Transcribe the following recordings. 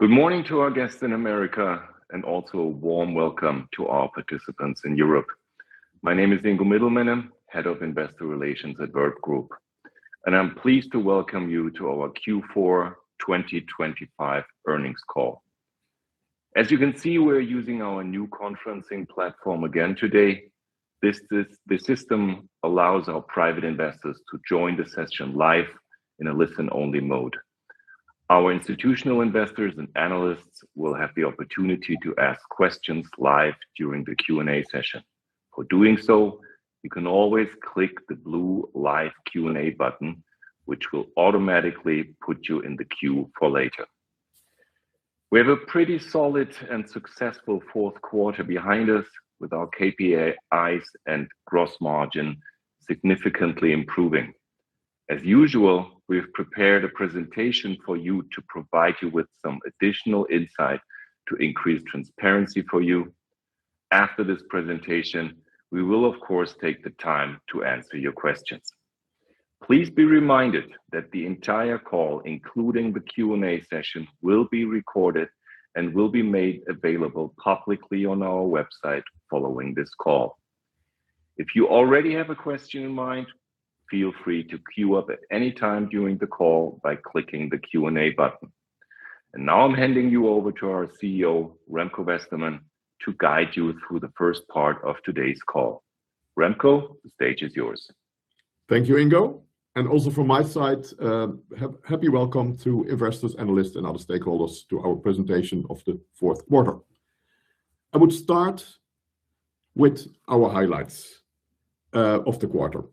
Good morning to our guests in America, and also a warm welcome to all participants in Europe. My name is Ingo Middelmenne, Head of Investor Relations at Verve Group, and I'm pleased to welcome you to our Q4 2025 earnings call. As you can see, we're using our new conferencing platform again today. This system allows our private investors to join the session live in a listen-only mode. Our institutional investors and analysts will have the opportunity to ask questions live during the Q&A session. For doing so, you can always click the blue Live Q&A button, which will automatically put you in the queue for later. We have a pretty solid and successful Q4 behind us, with our KPIs and gross margin significantly improving. As usual, we have prepared a presentation for you to provide you with some additional insight to increase transparency for you. After this presentation, we will, of course, take the time to answer your questions. Please be reminded that the entire call, including the Q&A session, will be recorded and will be made available publicly on our website following this call. If you already have a question in mind, feel free to queue up at any time during the call by clicking the Q&A button. And now I'm handing you over to our CEO, Remco Westermann, to guide you through the first part of today's call. Remco, the stage is yours. Thank you, Ingo, and also from my side, happy welcome to investors, analysts, and other stakeholders to our presentation of the Q4. I would start with our highlights of the quarter.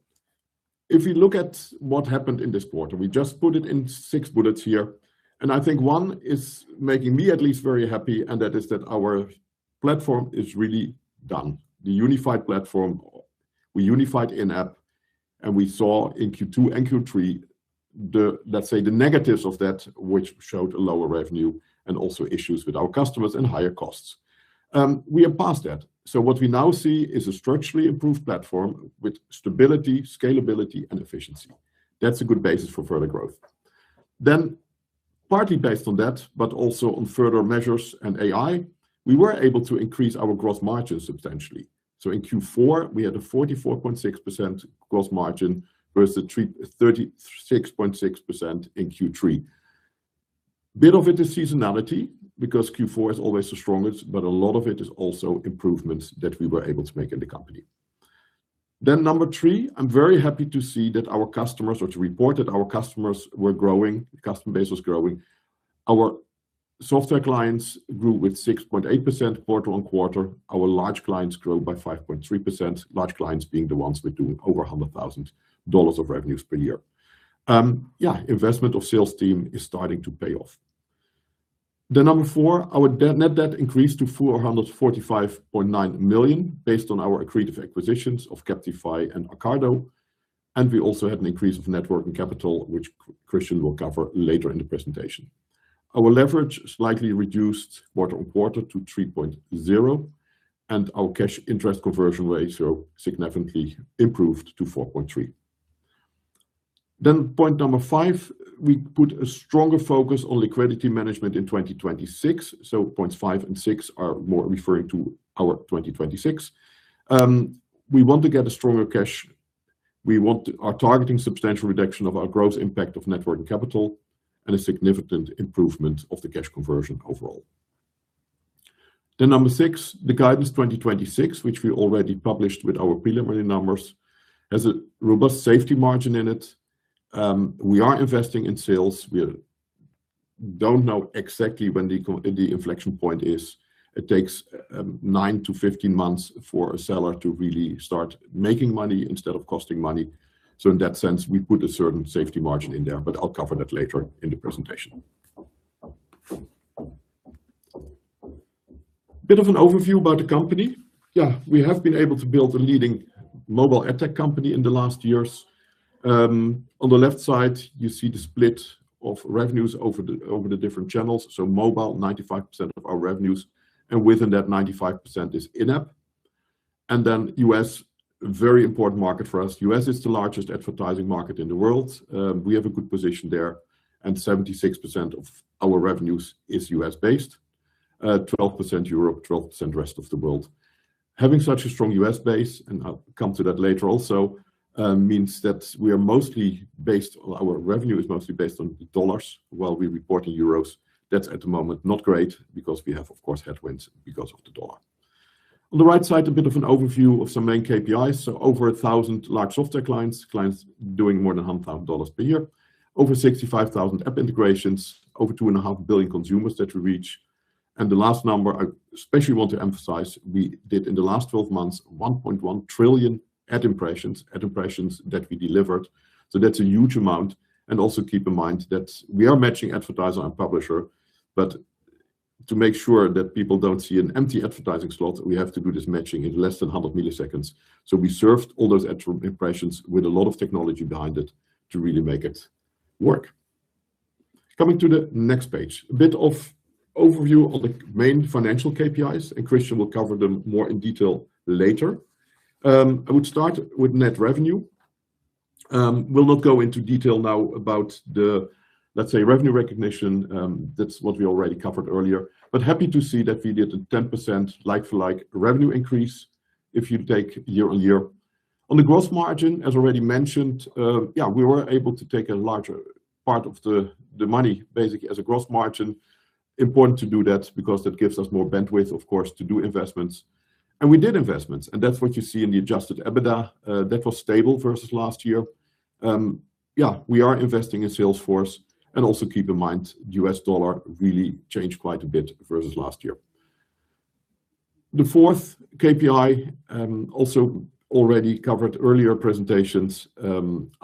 If you look at what happened in this quarter, we just put it in six bullets here, and I think one is making me at least very happy, and that is that our platform is really done. The unified platform, we unified in-app, and we saw in Q2 and Q3, the, let's say, the negatives of that, which showed a lower revenue and also issues with our customers and higher costs. We are past that. So what we now see is a structurally improved platform with stability, scalability, and efficiency. That's a good basis for further growth. Then, partly based on that, but also on further measures and AI, we were able to increase our gross margin substantially. So in Q4, we had a 44.6% gross margin versus 36.6% in Q3. A bit of it is seasonality, because Q4 is always the strongest, but a lot of it is also improvements that we were able to make in the company. Then number three, I'm very happy to see that our customers, which reported our customers were growing, customer base was growing. Our software clients grew with 6.8% quarter-on-quarter. Our large clients grew by 5.3%. Large clients being the ones doing over $100,000 of revenues per year. Yeah, investment of sales team is starting to pay off. Then number four, our net debt increased to 445.9 million, based on our accretive acquisitions of Captify and Acardo, and we also had an increase of net working capital, which Christian will cover later in the presentation. Our leverage slightly reduced quarter-on-quarter to 3.0, and our cash interest conversion ratio significantly improved to 4.3. Then point number five, we put a stronger focus on liquidity management in 2026, so points five and six are more referring to our 2026. We are targeting substantial reduction of our growth impact of net working capital and a significant improvement of the cash conversion overall. Then number six, the guidance 2026, which we already published with our preliminary numbers, has a robust safety margin in it. We are investing in sales. We don't know exactly when the inflection point is. It takes nine to 15 months for a seller to really start making money instead of costing money. So in that sense, we put a certain safety margin in there, but I'll cover that later in the presentation. Bit of an overview about the company. Yeah, we have been able to build a leading mobile ad tech company in the last years. On the left side, you see the split of revenues over the different channels. So mobile, 95% of our revenues, and within that 95% is in-app. And then US, very important market for us. US is the largest advertising market in the world. We have a good position there, and 76% of our revenues is U.S.-based, 12% Europe, 12% rest of the world. Having such a strong U.S. base, and I'll come to that later also, means that we are mostly based, our revenue is mostly based on dollars, while we report in euros. That's at the moment not great, because we have, of course, headwinds because of the dollar. On the right side, a bit of an overview of some main KPIs. So over 1,000 large software clients, clients doing more than $100,000 per year, over 65,000 app integrations, over 2.5 billion consumers that we reach. And the last number I especially want to emphasize, we did in the last 12 months, 1.1 trillion ad impressions, ad impressions that we delivered. So that's a huge amount. Also keep in mind that we are matching advertiser and publisher, but to make sure that people don't see an empty advertising slot, we have to do this matching in less than 100 milliseconds. So we served all those ad impressions with a lot of technology behind it to really make it work. Coming to the next page, a bit of overview on the main financial KPIs, and Christian will cover them more in detail later. I would start with net revenue. We'll not go into detail now about the, let's say, revenue recognition. That's what we already covered earlier, but happy to see that we did a 10% like-for-like revenue increase if you take year-on-year. On the growth margin, as already mentioned, we were able to take a larger part of the money, basically as a gross margin. Important to do that because that gives us more bandwidth, of course, to do investments. And we did investments, and that's what you see in the adjusted EBITDA, that was stable versus last year. Yeah, we are investing in sales force, and also keep in mind, the US dollar really changed quite a bit versus last year. The fourth KPI, also already covered earlier presentations.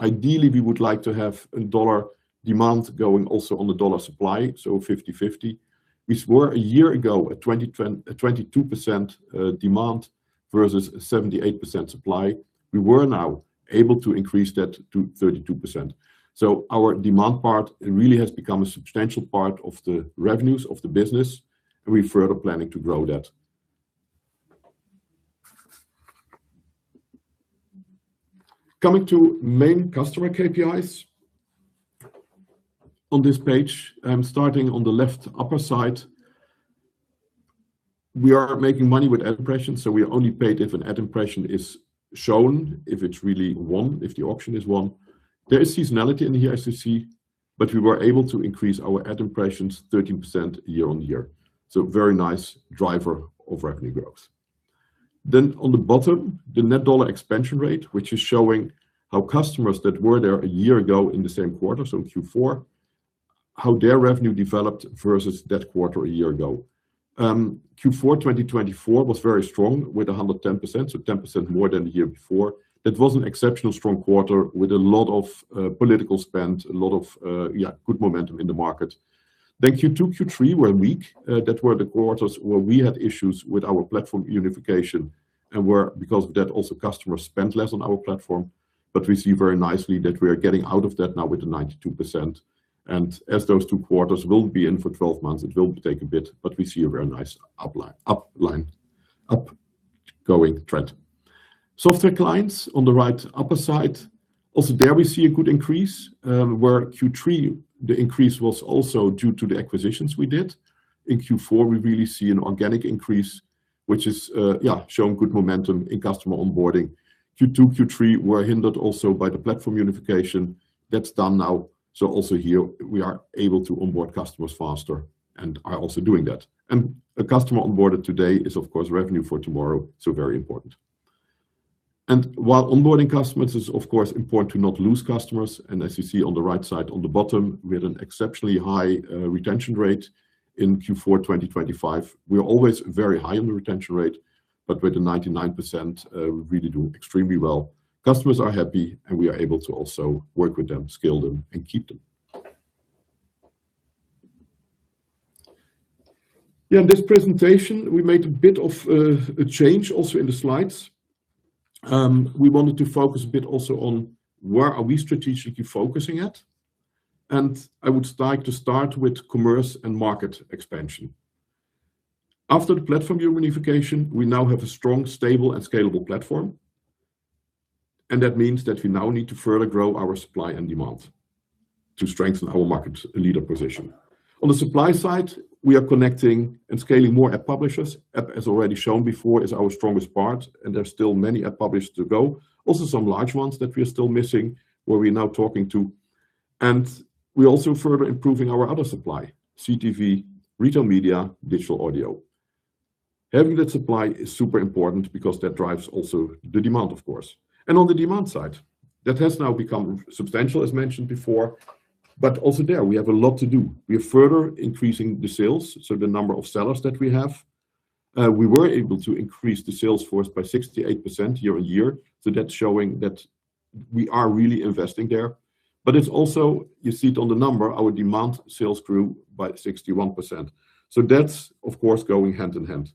Ideally, we would like to have a dollar demand going also on the dollar supply, so 50/50. We were, a year ago, a 22%, demand versus 78% supply. We were now able to increase that to 32%. So our demand part really has become a substantial part of the revenues of the business, and we're further planning to grow that. Coming to main customer KPIs, on this page, I'm starting on the left upper side. We are making money with ad impressions, so we are only paid if an ad impression is shown, if it's really won, if the auction is won. There is seasonality in here, as you see, but we were able to increase our ad impressions 13% year-on-year, so very nice driver of revenue growth. Then on the bottom, the net dollar expansion rate, which is showing how customers that were there a year ago in the same quarter, so Q4, how their revenue developed versus that quarter a year ago. Q4 2024 was very strong, with 110%, so 10% more than the year before. That was an exceptional strong quarter with a lot of, political spend, a lot of, yeah, good momentum in the market. Then Q2, Q3 were weak. That were the quarters where we had issues with our platform unification, and where, because of that, also, customers spent less on our platform. But we see very nicely that we are getting out of that now with the 92%. And as those two quarters will be in for 12 months, it will take a bit, but we see a very nice upward, upward-upgoing trend. Software clients on the right upper side. Also there, we see a good increase, where Q3, the increase was also due to the acquisitions we did. In Q4, we really see an organic increase, which is showing good momentum in customer onboarding. Q2, Q3 were hindered also by the platform unification. That's done now, so also here, we are able to onboard customers faster and are also doing that. A customer onboarded today is, of course, revenue for tomorrow, so very important. While onboarding customers, it's of course important to not lose customers. As you see on the right side, on the bottom, we had an exceptionally high retention rate in Q4 2025. We are always very high on the retention rate, but with the 99%, we really do extremely well. Customers are happy, and we are able to also work with them, scale them, and keep them. Yeah, in this presentation, we made a bit of a change also in the slides. We wanted to focus a bit also on where are we strategically focusing at, and I would like to start with commerce and market expansion. After the platform unification, we now have a strong, stable, and scalable platform, and that means that we now need to further grow our supply and demand to strengthen our market leader position. On the supply side, we are connecting and scaling more ad publishers, as already shown before, is our strongest part, and there are still many ad publishers to go. Also, some large ones that we are still missing, where we're now talking to, and we're also further improving our other supply: CTV, retail media, digital audio. Having that supply is super important because that drives also the demand, of course. On the demand side, that has now become substantial, as mentioned before, but also there, we have a lot to do. We are further increasing the sales, so the number of sellers that we have. We were able to increase the sales force by 68% year-on-year, so that's showing that we are really investing there. But it's also, you see it on the number, our demand sales grew by 61%. So that's, of course, going hand in hand.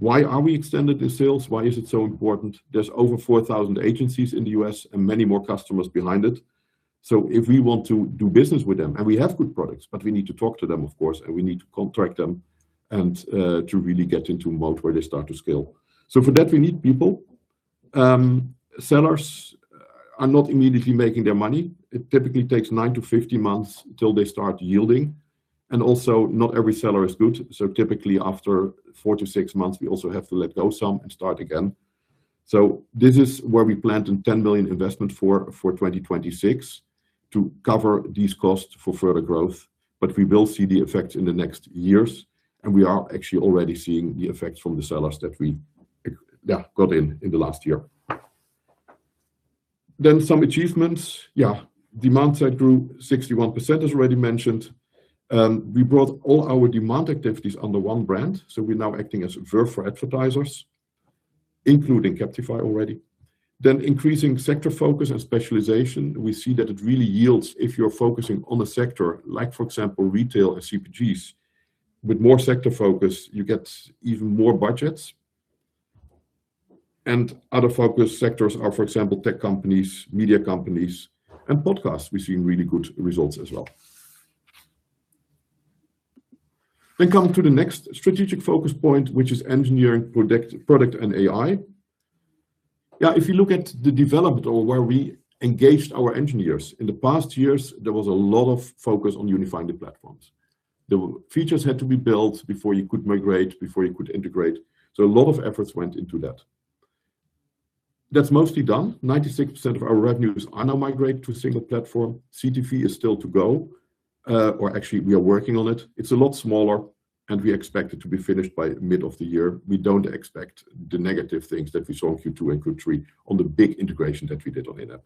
Why are we extending the sales? Why is it so important? There's over 4,000 agencies in the US and many more customers behind it. So if we want to do business with them, and we have good products, but we need to talk to them, of course, and we need to contract them and to really get into a mode where they start to scale. So for that, we need people. Sellers are not immediately making their money. It typically takes nine to 15 months until they start yielding, and also, not every seller is good. So typically, after four to six months, we also have to let go some and start again. So this is where we planned a 10 million investment for 2026 to cover these costs for further growth, but we will see the effect in the next years, and we are actually already seeing the effects from the sellers that we, yeah, got in in the last year. Then some achievements. Yeah, demand side grew 61%, as already mentioned. We brought all our demand activities under one brand, so we're now acting as Verve for advertisers, including Captify already. Then increasing sector focus and specialization, we see that it really yields if you're focusing on a sector, like, for example, retail and CPGs. With more sector focus, you get even more budgets. And other focus sectors are, for example, tech companies, media companies, and podcasts. We've seen really good results as well. Then come to the next strategic focus point, which is engineering product, product, and AI. Yeah, if you look at the development or where we engaged our engineers, in the past years, there was a lot of focus on unifying the platforms. The features had to be built before you could migrate, before you could integrate, so a lot of efforts went into that. That's mostly done. 96% of our revenues are now migrate to a single platform. CTV is still to go, or actually, we are working on it. It's a lot smaller, and we expect it to be finished by mid of the year. We don't expect the negative things that we saw in Q2 and Q3 on the big integration that we did on in-app.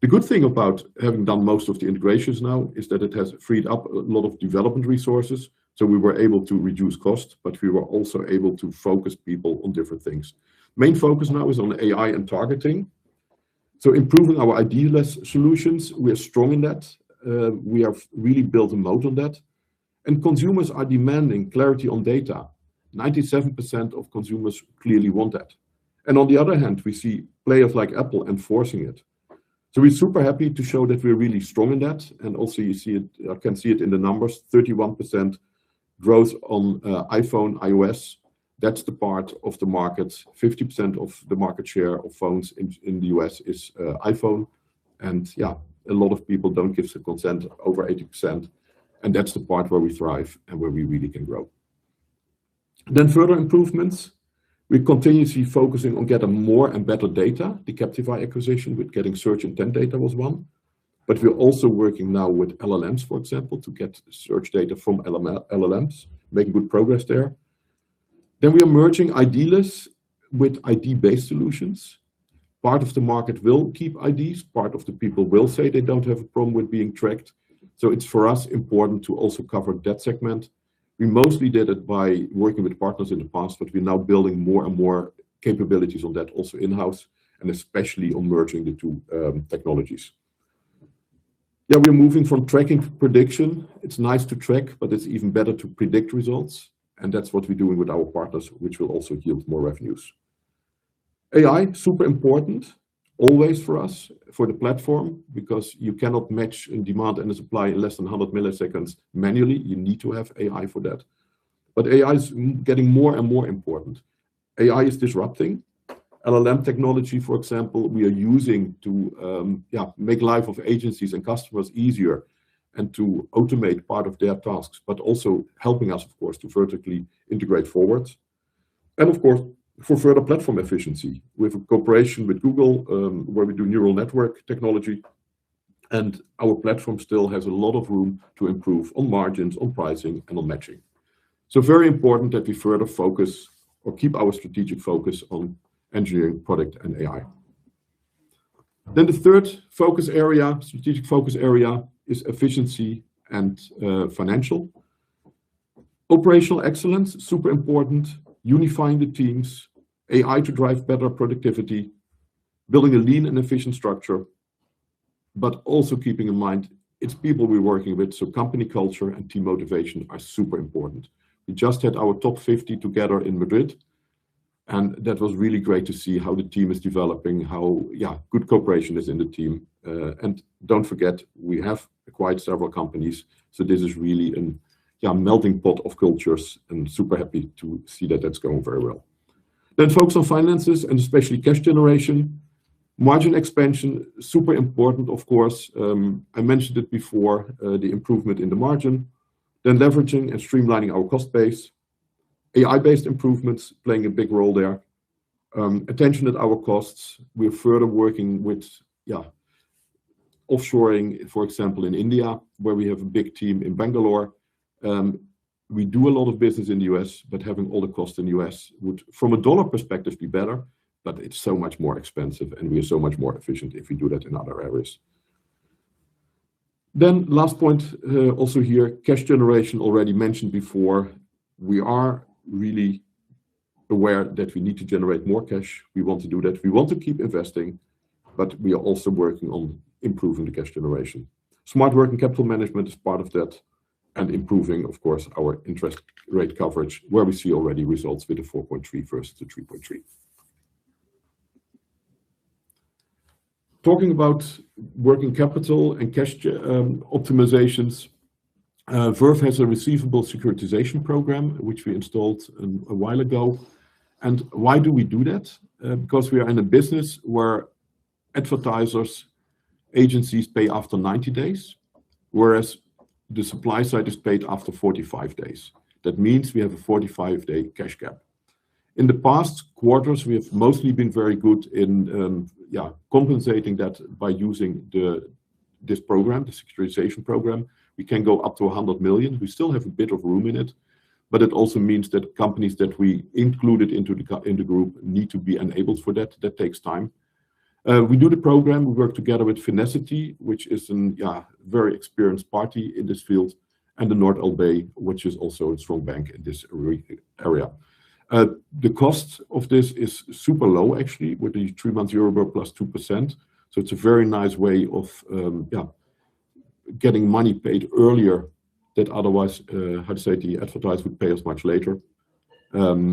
The good thing about having done most of the integrations now is that it has freed up a lot of development resources, so we were able to reduce costs, but we were also able to focus people on different things. Main focus now is on AI and targeting, so improving our ID-less solutions, we are strong in that. We have really built a moat on that, and consumers are demanding clarity on data. 97% of consumers clearly want that, and on the other hand, we see players like Apple enforcing it. So we're super happy to show that we're really strong in that, and also, you see it—can see it in the numbers, 31% growth on iPhone, iOS. That's the part of the market. 50% of the market share of phones in the U.S. is iPhone, and yeah, a lot of people don't give their consent, over 80%, and that's the part where we thrive and where we really can grow. Then further improvements, we're continuously focusing on getting more and better data. The Captify acquisition with getting search intent data was one, but we're also working now with LLMs, for example, to get search data from LLMs. Making good progress there. Then we are merging ID-less with ID-based solutions. Part of the market will keep IDs. Part of the people will say they don't have a problem with being tracked, so it's for us important to also cover that segment. We mostly did it by working with partners in the past, but we're now building more and more capabilities on that, also in-house, and especially on merging the two technologies. Yeah, we're moving from tracking to prediction. It's nice to track, but it's even better to predict results, and that's what we're doing with our partners, which will also give more revenues. AI, super important, always for us, for the platform, because you cannot match in demand and the supply in less than 100 milliseconds manually. You need to have AI for that. But AI is getting more and more important. AI is disrupting. LLM technology, for example, we are using to, yeah, make life of agencies and customers easier and to automate part of their tasks, but also helping us, of course, to vertically integrate forwards, and of course, for further platform efficiency. We have a cooperation with Google, where we do neural network technology, and our platform still has a lot of room to improve on margins, on pricing, and on matching. So very important that we further focus or keep our strategic focus on engineering, product, and AI. Then the third focus area, strategic focus area, is efficiency and financial. Operational excellence, super important. Unifying the teams, AI to drive better productivity, building a lean and efficient structure, but also keeping in mind, it's people we're working with, so company culture and team motivation are super important. We just had our top 50 together in Madrid, and that was really great to see how the team is developing, how, yeah, good cooperation is in the team. And don't forget, we have acquired several companies, so this is really a melting pot of cultures, and super happy to see that that's going very well. Then focus on finances and especially cash generation. Margin expansion, super important, of course. I mentioned it before, the improvement in the margin, then leveraging and streamlining our cost base. AI-based improvements playing a big role there. Attention at our costs, we are further working with offshoring, for example, in India, where we have a big team in Bangalore. We do a lot of business in the U.S., but having all the costs in the U.S. would, from a dollar perspective, be better, but it's so much more expensive, and we are so much more efficient if we do that in other areas. Then last point, also here, cash generation, already mentioned before. We are really aware that we need to generate more cash. We want to do that. We want to keep investing, but we are also working on improving the cash generation. Smart working capital management is part of that, and improving, of course, our interest rate coverage, where we see already results with the 4.3 versus the 3.3. Talking about working capital and cash optimizations, Verve has a receivable securitization program, which we installed a while ago. And why do we do that? Because we are in a business where advertisers, agencies pay after 90 days, whereas the supply side is paid after 45 days. That means we have a 45 day cash gap. In the past quarters, we have mostly been very good in compensating that by using this program, the securitization program. We can go up to 100 million. We still have a bit of room in it, but it also means that companies that we included into the group need to be enabled for that. That takes time. We do the program. We work together with Finacity, which is an very experienced party in this field, and the Nord/LB, which is also a strong bank in this area. The cost of this is super low, actually, with the three-month EURIBOR plus 2%, so it's a very nice way of, yeah, getting money paid earlier that otherwise, how to say, the advertiser would pay us much later.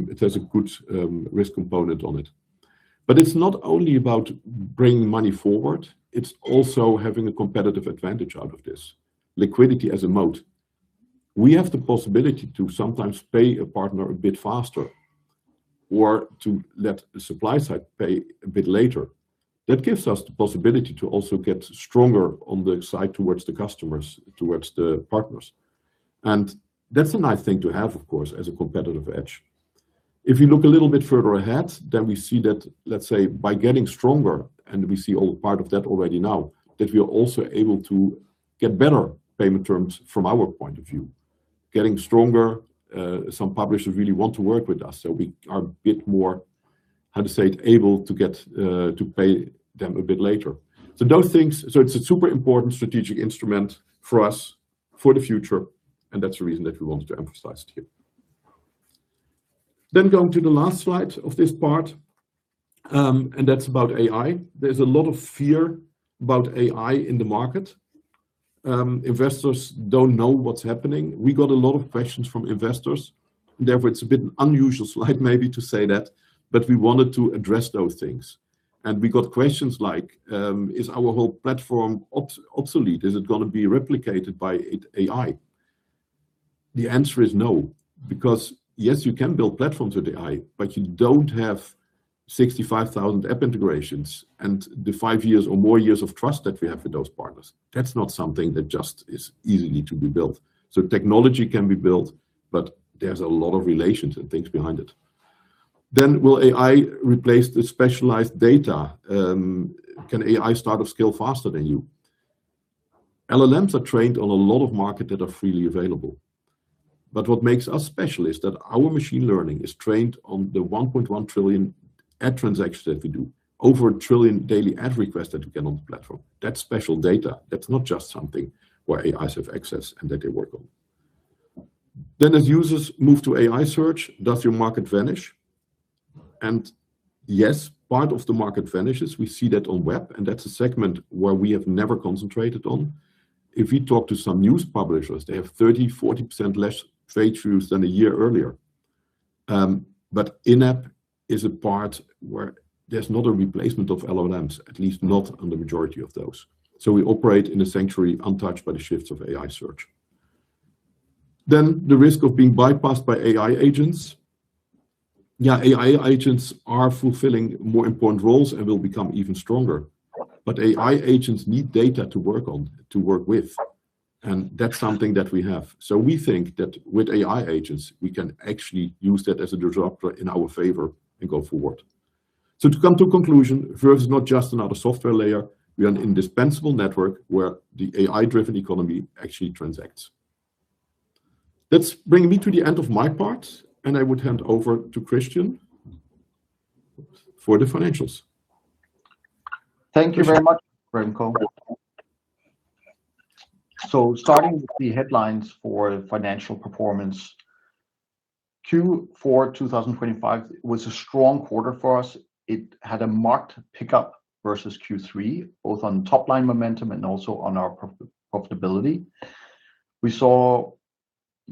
It has a good risk component on it. But it's not only about bringing money forward, it's also having a competitive advantage out of this. Liquidity as a moat. We have the possibility to sometimes pay a partner a bit faster or to let the supply side pay a bit later. That gives us the possibility to also get stronger on the side towards the customers, towards the partners, and that's a nice thing to have, of course, as a competitive edge. If you look a little bit further ahead, then we see that, let's say, by getting stronger, and we see all part of that already now, that we are also able to get better payment terms from our point of view. Getting stronger, some publishers really want to work with us, so we are a bit more, how to say, able to get, to pay them a bit later. So those things. So it's a super important strategic instrument for us for the future, and that's the reason that we wanted to emphasize to you. Going to the last slide of this part, and that's about AI. There's a lot of fear about AI in the market. Investors don't know what's happening. We got a lot of questions from investors. Therefore, it's a bit unusual slide, maybe, to say that, but we wanted to address those things. We got questions like: Is our whole platform obsolete? Is it gonna be replicated by AI? The answer is no, because, yes, you can build platforms with AI, but you don't have 65,000 app integrations and the five years or more years of trust that we have with those partners. That's not something that just is easily to be built. Technology can be built, but there's a lot of relations and things behind it. Will AI replace the specialized data? Can AI start of scale faster than you? LLMs are trained on a lot of market that are freely available, but what makes us special is that our machine learning is trained on the 1.1 trillion ad transactions that we do, over a trillion daily ad requests that we get on the platform. That's special data. That's not just something where AIs have access and that they work on. Then, as users move to AI search, does your market vanish? And yes, part of the market vanishes. We see that on web, and that's a segment where we have never concentrated on. If you talk to some news publishers, they have 30% - 40% less traffic through than a year earlier. But in-app is a part where there's not a replacement of LLMs, at least not on the majority of those. So we operate in a sanctuary untouched by the shifts of AI search. Then, the risk of being bypassed by AI agents. Yeah, AI agents are fulfilling more important roles and will become even stronger, but AI agents need data to work on, to work with, and that's something that we have. So we think that with AI agents, we can actually use that as a disruptor in our favor and go forward. So to come to a conclusion, Verve is not just another software layer, we're an indispensable network where the AI-driven economy actually transacts. That's bringing me to the end of my part, and I would hand over to Christian for the financials. Thank you very much, Remco. So starting with the headlines for the financial performance, Q4 2025 was a strong quarter for us. It had a marked pickup versus Q3, both on top line momentum and also on our profitability. We saw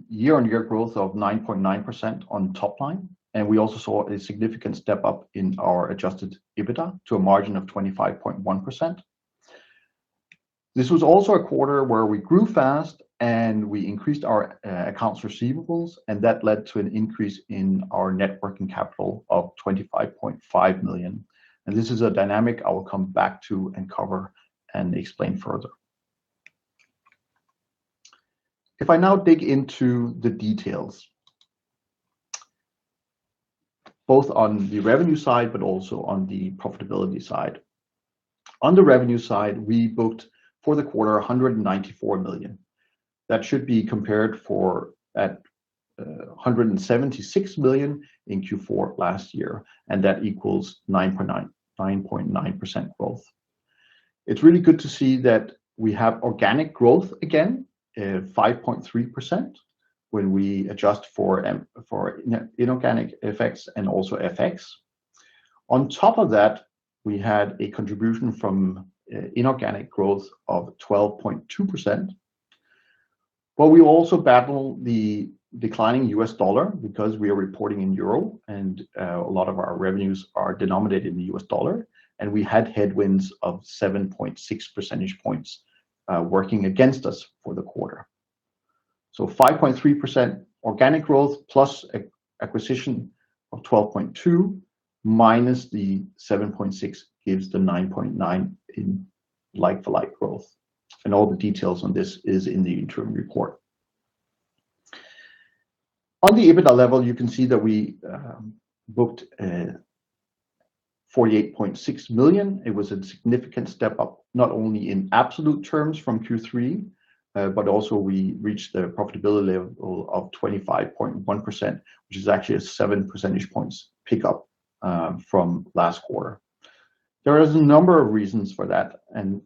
year-on-year growth of 9.9% on top line, and we also saw a significant step up in our adjusted EBITDA to a margin of 25.1%. This was also a quarter where we grew fast, and we increased our accounts receivables, and that led to an increase in our net working capital of 25.5 million. And this is a dynamic I will come back to and cover and explain further. If I now dig into the details, both on the revenue side, but also on the profitability side. On the revenue side, we booked for the quarter, 194 million. That should be compared to 176 million in Q4 last year, and that equals 9.9, 9.9% growth. It's really good to see that we have organic growth again, at 5.3%, when we adjust for inorganic effects and also FX. On top of that, we had a contribution from inorganic growth of 12.2%. But we also battle the declining US dollar because we are reporting in Euro, and a lot of our revenues are denominated in the US dollar, and we had headwinds of 7.6 percentage points working against us for the quarter. So 5.3% organic growth, plus acquisition of 12.2, minus the 7.6, gives the 9.9 in like-for-like growth. All the details on this is in the interim report. On the EBITDA level, you can see that we booked 48.6 million. It was a significant step up, not only in absolute terms from Q3, but also we reached the profitability level of 25.1%, which is actually a seven percentage points pickup from last quarter. There is a number of reasons for that, and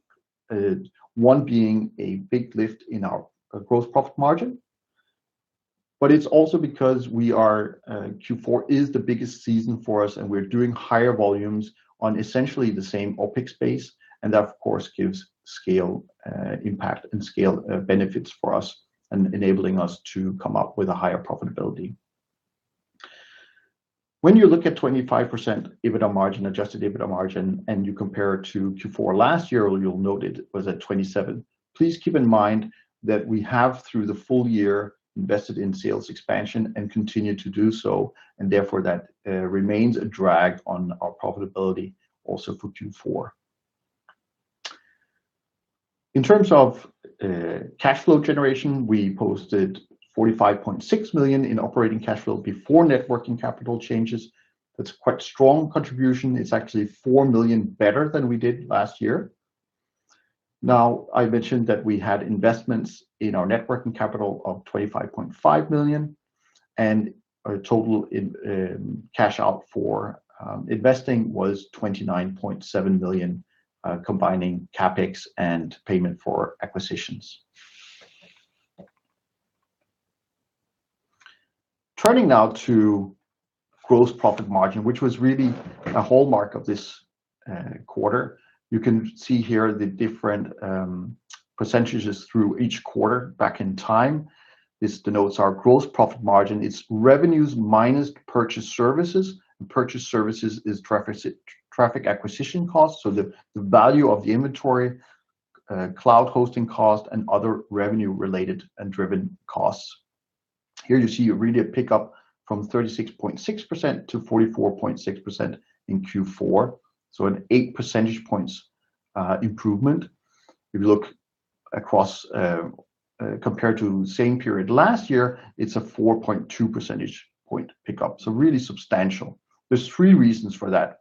one being a big lift in our growth profit margin, but it's also because we are Q4 is the biggest season for us, and we're doing higher volumes on essentially the same OpEx base, and that, of course, gives scale impact and scale benefits for us, and enabling us to come up with a higher profitability. When you look at 25% EBITDA margin, adjusted EBITDA margin, and you compare it to Q4 last year, you'll note it was at 27%. Please keep in mind that we have, through the full year, invested in sales expansion and continue to do so, and therefore, that remains a drag on our profitability also for Q4. In terms of cash flow generation, we posted 45.6 million in operating cash flow before net working capital changes. That's quite strong contribution. It's actually 4 million better than we did last year. Now, I mentioned that we had investments in our net working capital of 25.5 million, and our total in cash out for investing was 29.7 million combining CapEx and payment for acquisitions. Turning now to gross profit margin, which was really a hallmark of this quarter. You can see here the different percentages through each quarter back in time. This denotes our gross profit margin. It's revenues minus purchase services. Purchase services is traffic acquisition costs, so the value of the inventory, cloud hosting cost, and other revenue-related and driven costs. Here you see really a pickup from 36.6% to 44.6% in Q4, so an eight percentage points improvement. If you look across, compared to the same period last year, it's a 4.2 percentage point pickup. So really substantial. There's three reasons for that.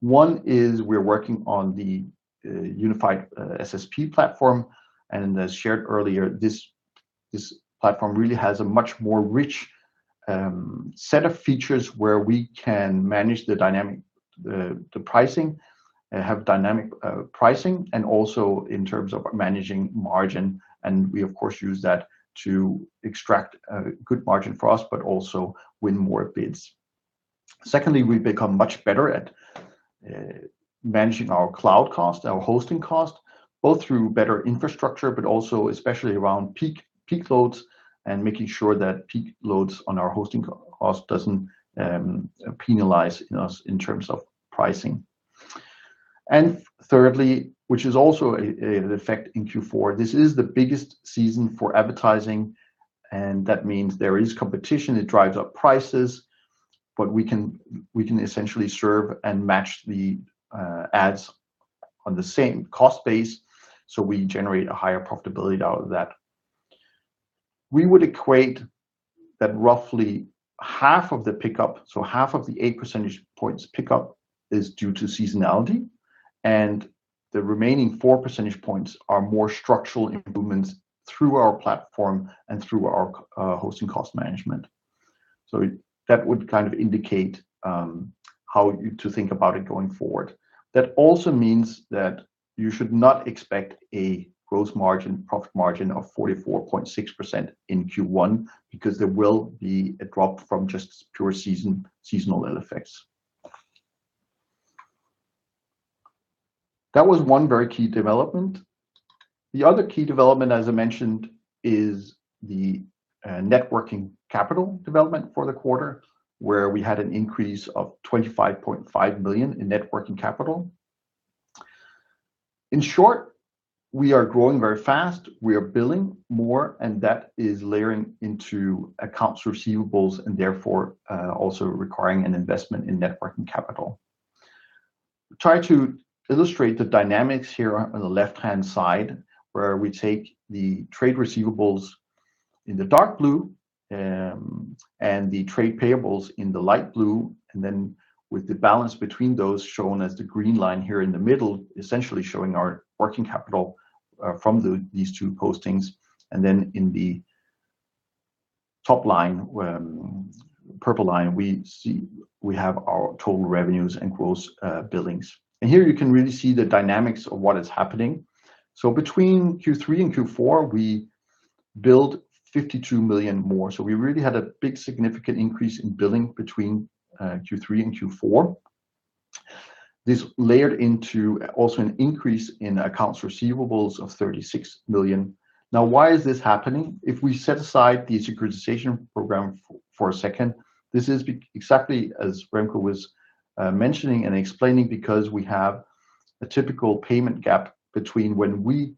One is we're working on the unified SSP platform, and as shared earlier, this platform really has a much more rich set of features where we can manage the dynamic pricing, have dynamic pricing, and also in terms of managing margin, and we, of course, use that to extract a good margin for us, but also win more bids. Secondly, we've become much better at managing our cloud cost, our hosting cost, both through better infrastructure, but also especially around peak loads, and making sure that peak loads on our hosting cost doesn't penalize us in terms of pricing. And thirdly, which is also an effect in Q4, this is the biggest season for advertising, and that means there is competition, it drives up prices, but we can essentially serve and match the ads on the same cost base, so we generate a higher profitability out of that. We would equate that roughly half of the pickup, so half of the eight percentage points pickup is due to seasonality, and the remaining four percentage points are more structural improvements through our platform and through our hosting cost management. So that would kind of indicate how you to think about it going forward. That also means that you should not expect a gross margin, profit margin of 44.6% in Q1, because there will be a drop from just pure seasonal effects. That was one very key development. The other key development, as I mentioned, is the working capital development for the quarter, where we had an increase of 25.5 million in working capital. In short, we are growing very fast, we are billing more, and that is layering into accounts receivables, and therefore, also requiring an investment in working capital. Try to illustrate the dynamics here on the left-hand side, where we take the trade receivables in the dark blue, and the trade payables in the light blue, and then with the balance between those shown as the green line here in the middle, essentially showing our working capital from these two postings, and then in the top line, purple line, we see we have our total revenues and gross billings. And here you can really see the dynamics of what is happening. So between Q3 and Q4, we billed 52 million more, so we really had a big significant increase in billing between Q3 and Q4. This layered into also an increase in accounts receivables of 36 million. Now, why is this happening? If we set aside the securitization program for a second, this is exactly as Remco was mentioning and explaining, because we have a typical payment gap between when we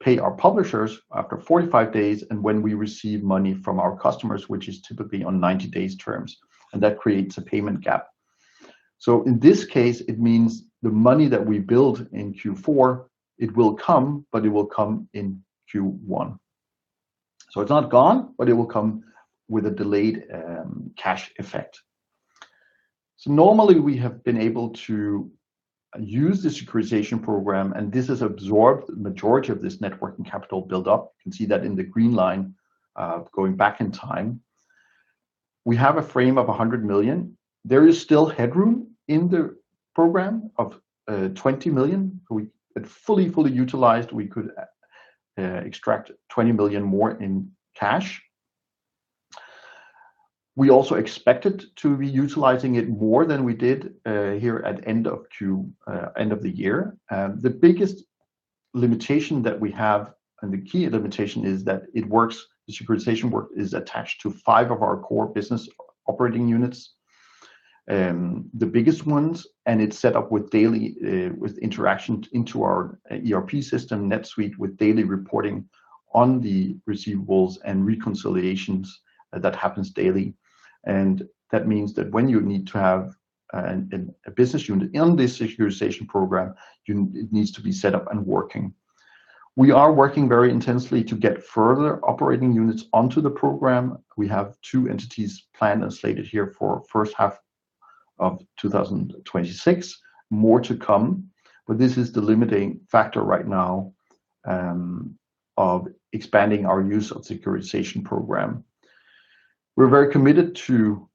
pay our publishers after 45 days and when we receive money from our customers, which is typically on 90 days terms, and that creates a payment gap. So in this case, it means the money that we billed in Q4, it will come, but it will come in Q1. So it's not gone, but it will come with a delayed cash effect. So normally, we have been able to use the securitization program, and this has absorbed the majority of this net working capital build-up. You can see that in the green line, going back in time. We have a frame of 100 million. There is still headroom in the program of 20 million. If we had fully, fully utilized, we could extract 20 million more in cash. We also expected to be utilizing it more than we did here at end of Q end of the year. The biggest limitation that we have, and the key limitation, is that it works, the securitization work is attached to five of our core business operating units, the biggest ones, and it's set up with daily, with interaction into our ERP system, NetSuite, with daily reporting on the receivables and reconciliations, that happens daily. That means that when you need to have a business unit in this securitization program, it needs to be set up and working. We are working very intensely to get further operating units onto the program. We have two entities planned and slated here for first half of 2026. More to come, but this is the limiting factor right now of expanding our use of securitization program. We're very committed to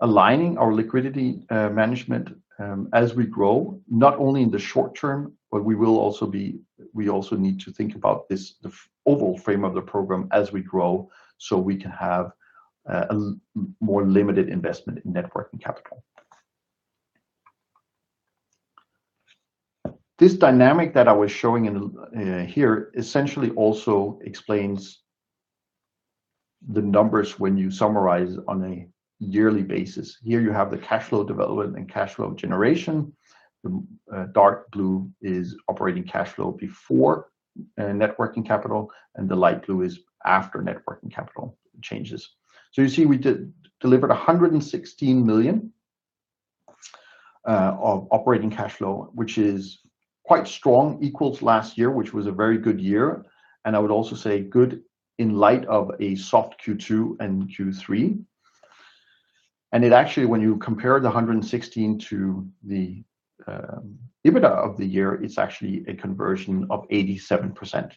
aligning our liquidity management as we grow, not only in the short term, but we also need to think about the overall frame of the program as we grow, so we can have a more limited investment in net working capital. This dynamic that I was showing here essentially also explains the numbers when you summarize on a yearly basis. Here you have the cash flow development and cash flow generation. The dark blue is operating cash flow before net working capital, and the light blue is after net working capital changes. So you see, we delivered 116 million of operating cash flow, which is quite strong, equals last year, which was a very good year, and I would also say good in light of a soft Q2 and Q3. And it actually, when you compare the 116 to the EBITDA of the year, it's actually a conversion of 87%.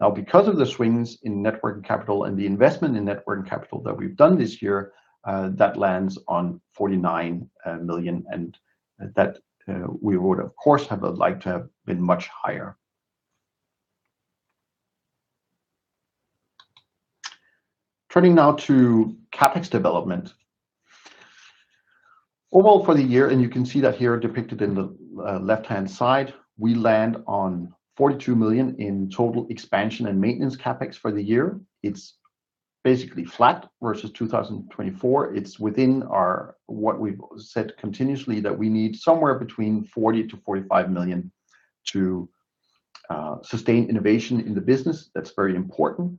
Now, because of the swings in net working capital and the investment in net working capital that we've done this year, that lands on 49 million, and that we would, of course, have liked to have been much higher. Turning now to CapEx development. Overall, for the year, and you can see that here depicted in the left-hand side, we land on 42 million in total expansion and maintenance CapEx for the year. It's basically flat versus 2024. It's within our, what we've said continuously, that we need somewhere between 40-45 million to sustain innovation in the business. That's very important.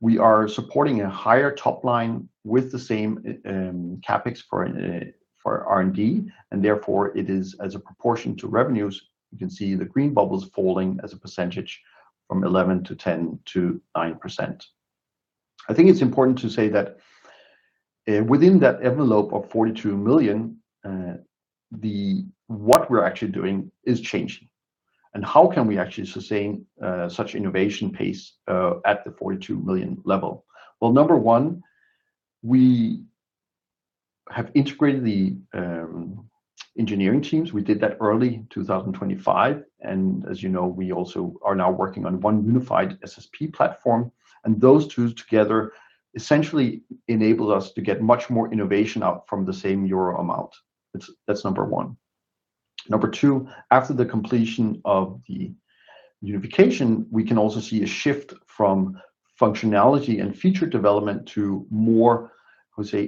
We are supporting a higher top line with the same CapEx for R&D, and therefore, it is as a proportion to revenues. You can see the green bubbles falling as a percentage from 11% to 10% to 9%. I think it's important to say that within that envelope of 42 million, the, what we're actually doing is changing, and how can we actually sustain such innovation pace at the 42 million level? Well, number one, we have integrated the engineering teams. We did that early 2025, and as you know, we also are now working on one unified SSP platform, and those two together essentially enable us to get much more innovation out from the same EUR amount. That's, that's number one. Number two, after the completion of the unification, we can also see a shift from functionality and feature development to more, I would say,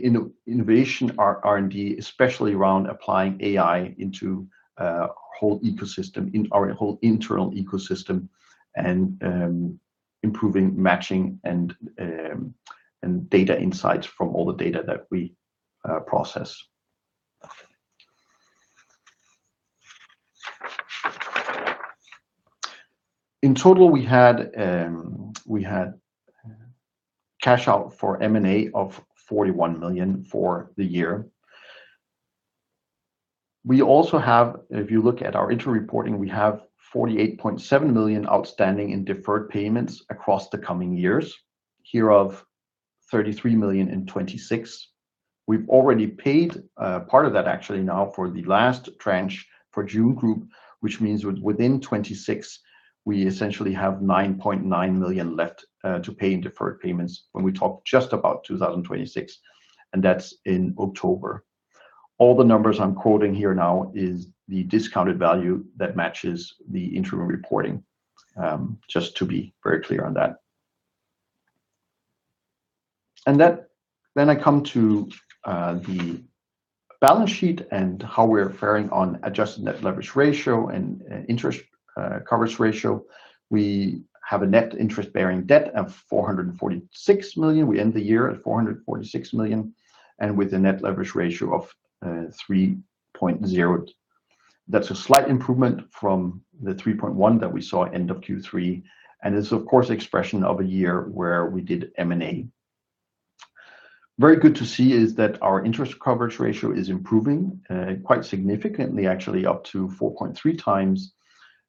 innovation R&D, especially around applying AI into a whole ecosystem, in our whole internal ecosystem, and improving matching and data insights from all the data that we process. In total, we had cash out for M&A of 41 million for the year. We also have, if you look at our interim reporting, we have 48.7 million outstanding in deferred payments across the coming years. Hereof, 33 million in 2026. We've already paid, actually, now for the last tranche for Jun Group, which means within 2026, we essentially have 9.9 million left to pay in deferred payments when we talk just about 2026, and that's in October. All the numbers I'm quoting here now is the discounted value that matches the interim reporting, just to be very clear on that. Then I come to the balance sheet and how we're faring on adjusted net leverage ratio and interest coverage ratio. We have a net interest-bearing debt of 446 million. We end the year at 446 million, and with a net leverage ratio of 3.0. That's a slight improvement from the 3.1 that we saw end of Q3, and it's of course expression of a year where we did M&A. Very good to see is that our interest coverage ratio is improving quite significantly, actually, up to 4.3 times.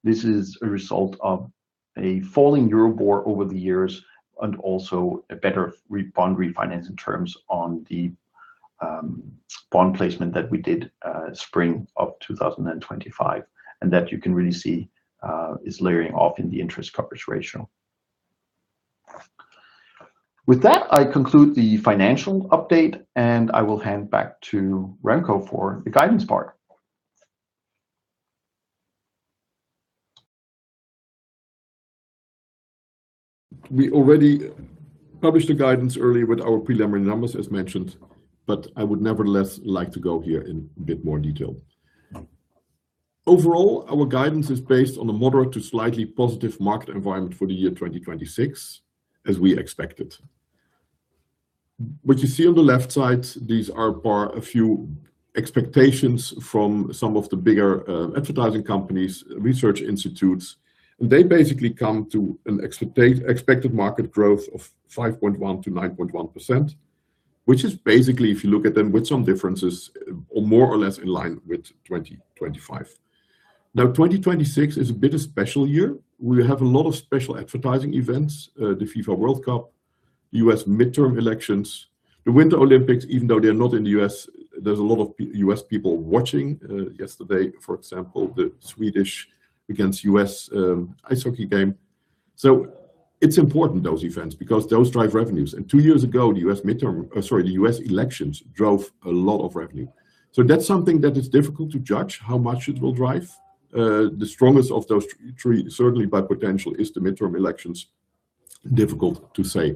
This is a result of a falling EURIBOR over the years and also a better refinancing terms on the bond placement that we did spring of 2025, and that you can really see is layering off in the interest coverage ratio.... With that, I conclude the financial update, and I will hand back to Remco for the guidance part. We already published the guidance earlier with our preliminary numbers, as mentioned, but I would nevertheless like to go here in a bit more detail. Overall, our guidance is based on a moderate to slightly positive market environment for the year 2026, as we expected. What you see on the left side, these are bar a few expectations from some of the bigger, advertising companies, research institutes. They basically come to an expected market growth of 5.1% - 9.1%, which is basically, if you look at them, with some differences, more or less in line with 2025. Now, 2026 is a bit of special year. We have a lot of special advertising events: the FIFA World Cup, U.S. midterm elections, the Winter Olympics, even though they are not in the U.S., there's a lot of U.S. people watching. Yesterday, for example, the Swedish against US ice hockey game. So it's important, those events, because those drive revenues. And two years ago, the US midterm, sorry, the US elections drove a lot of revenue. So that's something that is difficult to judge, how much it will drive. The strongest of those three, certainly by potential, is the midterm elections. Difficult to say.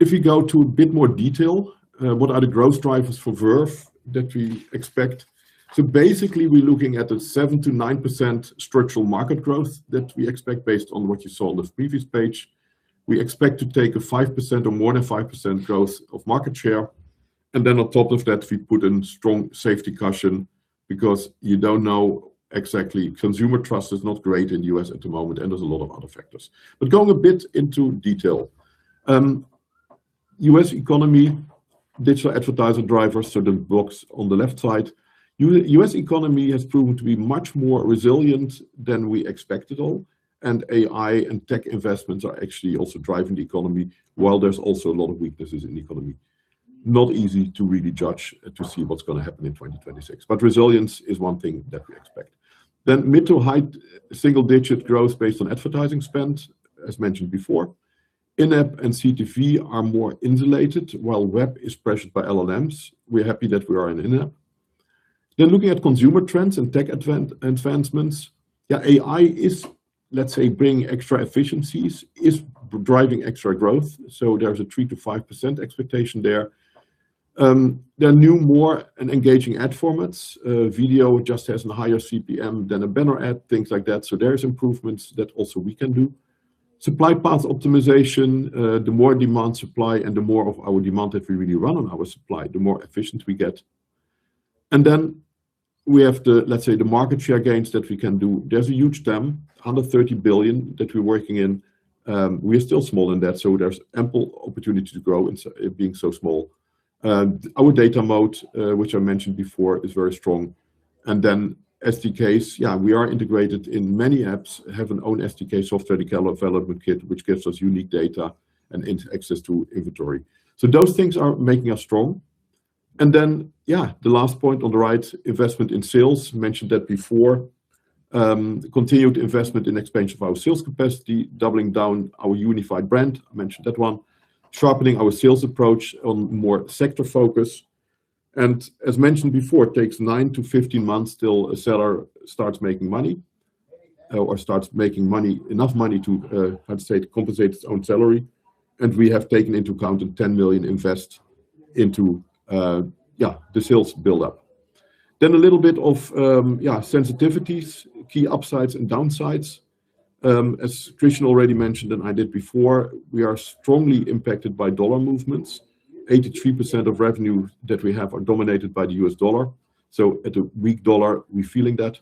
If you go to a bit more detail, what are the growth drivers for Verve that we expect? So basically, we're looking at a 7% - 9% structural market growth that we expect based on what you saw on the previous page. We expect to take a 5% or more than 5% growth of market share, and then on top of that, we put in strong safety cushion, because you don't know exactly... Consumer trust is not great in the U.S. at the moment, and there's a lot of other factors. But going a bit into detail. U.S. economy, digital advertiser drivers, so the box on the left side. U.S. economy has proven to be much more resilient than we expected all, and AI and tech investments are actually also driving the economy, while there's also a lot of weaknesses in economy. Not easy to really judge, to see what's gonna happen in 2026, but resilience is one thing that we expect. Then mid- to high single-digit growth based on advertising spend, as mentioned before. In-app and CTV are more insulated, while web is pressured by LLMs. We're happy that we are in in-app. Then looking at consumer trends and tech advancements, yeah, AI is, let's say, bringing extra efficiencies, is driving extra growth, so there's a 3% - 5% expectation there. There are new, more, and engaging ad formats. Video just has a higher CPM than a banner ad, things like that, so there is improvements that also we can do. Supply path optimization, the more demand supply and the more of our demand that we really run on our supply, the more efficient we get. And then we have the, let's say, the market share gains that we can do. There's a huge TAM, $130 billion, that we're working in. We're still small in that, so there's ample opportunity to grow in it being so small. Our data moat, which I mentioned before, is very strong. And then SDKs, yeah, we are integrated in many apps, have an own SDK, software development kit, which gives us unique data and access to inventory. So those things are making us strong. And then, yeah, the last point on the right, investment in sales. Mentioned that before. Continued investment in expansion of our sales capacity, doubling down our unified brand, I mentioned that one, sharpening our sales approach on more sector focus. And as mentioned before, it takes nine to 15 months till a seller starts making money, or starts making money, enough money to, how to say, to compensate his own salary. And we have taken into account a 10 million invest into the sales buildup. Then a little bit of sensitivities, key upsides and downsides. As Christian already mentioned, and I did before, we are strongly impacted by dollar movements. 83% of revenue that we have are denominated by the U.S. dollar, so at a weak dollar, we're feeling that.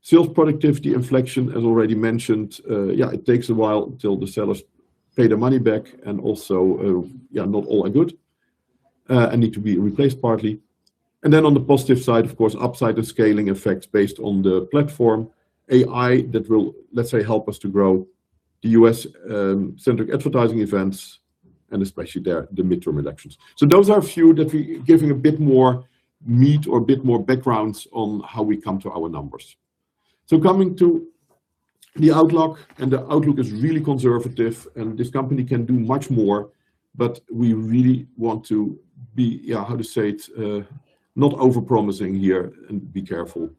Sales productivity inflection, as already mentioned, yeah, it takes a while until the sellers pay the money back, and also, yeah, not all are good, and need to be replaced partly. And then on the positive side, of course, upside the scaling effects based on the platform, AI, that will, let's say, help us to grow the U.S. centric advertising events, and especially there, the midterm elections. So those are a few that we giving a bit more meat or a bit more backgrounds on how we come to our numbers. So coming to the outlook, and the outlook is really conservative, and this company can do much more, but we really want to be, yeah, how to say it, not over-promising here and be careful.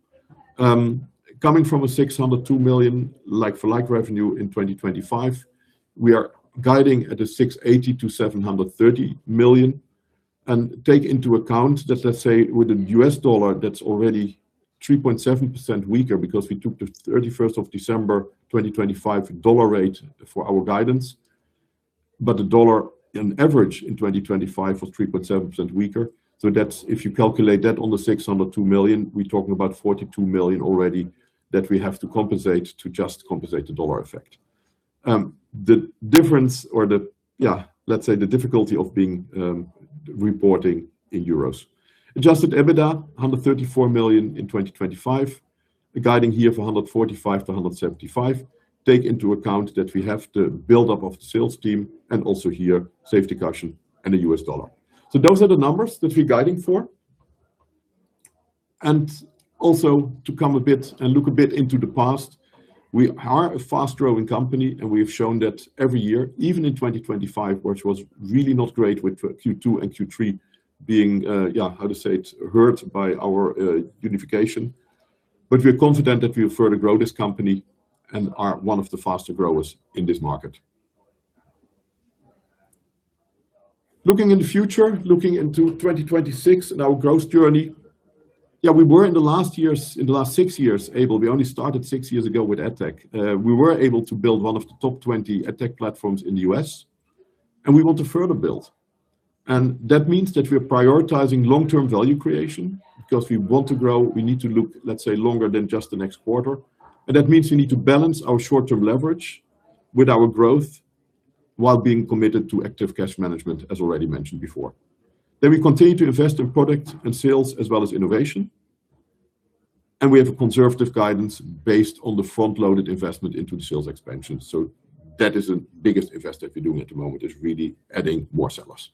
Coming from 602 million like-for-like revenue in 2025, we are guiding at 680 million to 730 million. And take into account that, let's say, with the US dollar, that's already 3.7% weaker, because we took the December 31, 2025 dollar rate for our guidance, but the dollar in average in 2025 was 3.7% weaker. So that's, if you calculate that on the 602 million, we're talking about 42 million already that we have to compensate to just compensate the dollar effect. The difference or the, yeah, let's say the difficulty of being reporting in euros. Adjusted EBITDA, 134 million in 2025. Guiding here for 145 million-175 million. Take into account that we have the buildup of the sales team, and also here, safety caution and the US dollar. So those are the numbers that we're guiding for... And also, to come a bit and look a bit into the past, we are a fast-growing company, and we have shown that every year, even in 2025, which was really not great with Q2 and Q3 being, how to say it? Hurt by our unification. But we're confident that we'll further grow this company and are one of the faster growers in this market. Looking into the future, looking into 2026 and our growth journey, yeah, we were, in the last years, in the last six years, able. We only started six years ago with AdTech. We were able to build one of the top 20 AdTech platforms in the U.S., and we want to further build. And that means that we are prioritizing long-term value creation. Because we want to grow, we need to look, let's say, longer than just the next quarter, and that means we need to balance our short-term leverage with our growth, while being committed to active cash management, as already mentioned before. Then we continue to invest in product and sales, as well as innovation, and we have a conservative guidance based on the front-loaded investment into the sales expansion. So that is the biggest investment we're doing at the moment, is really adding more sellers.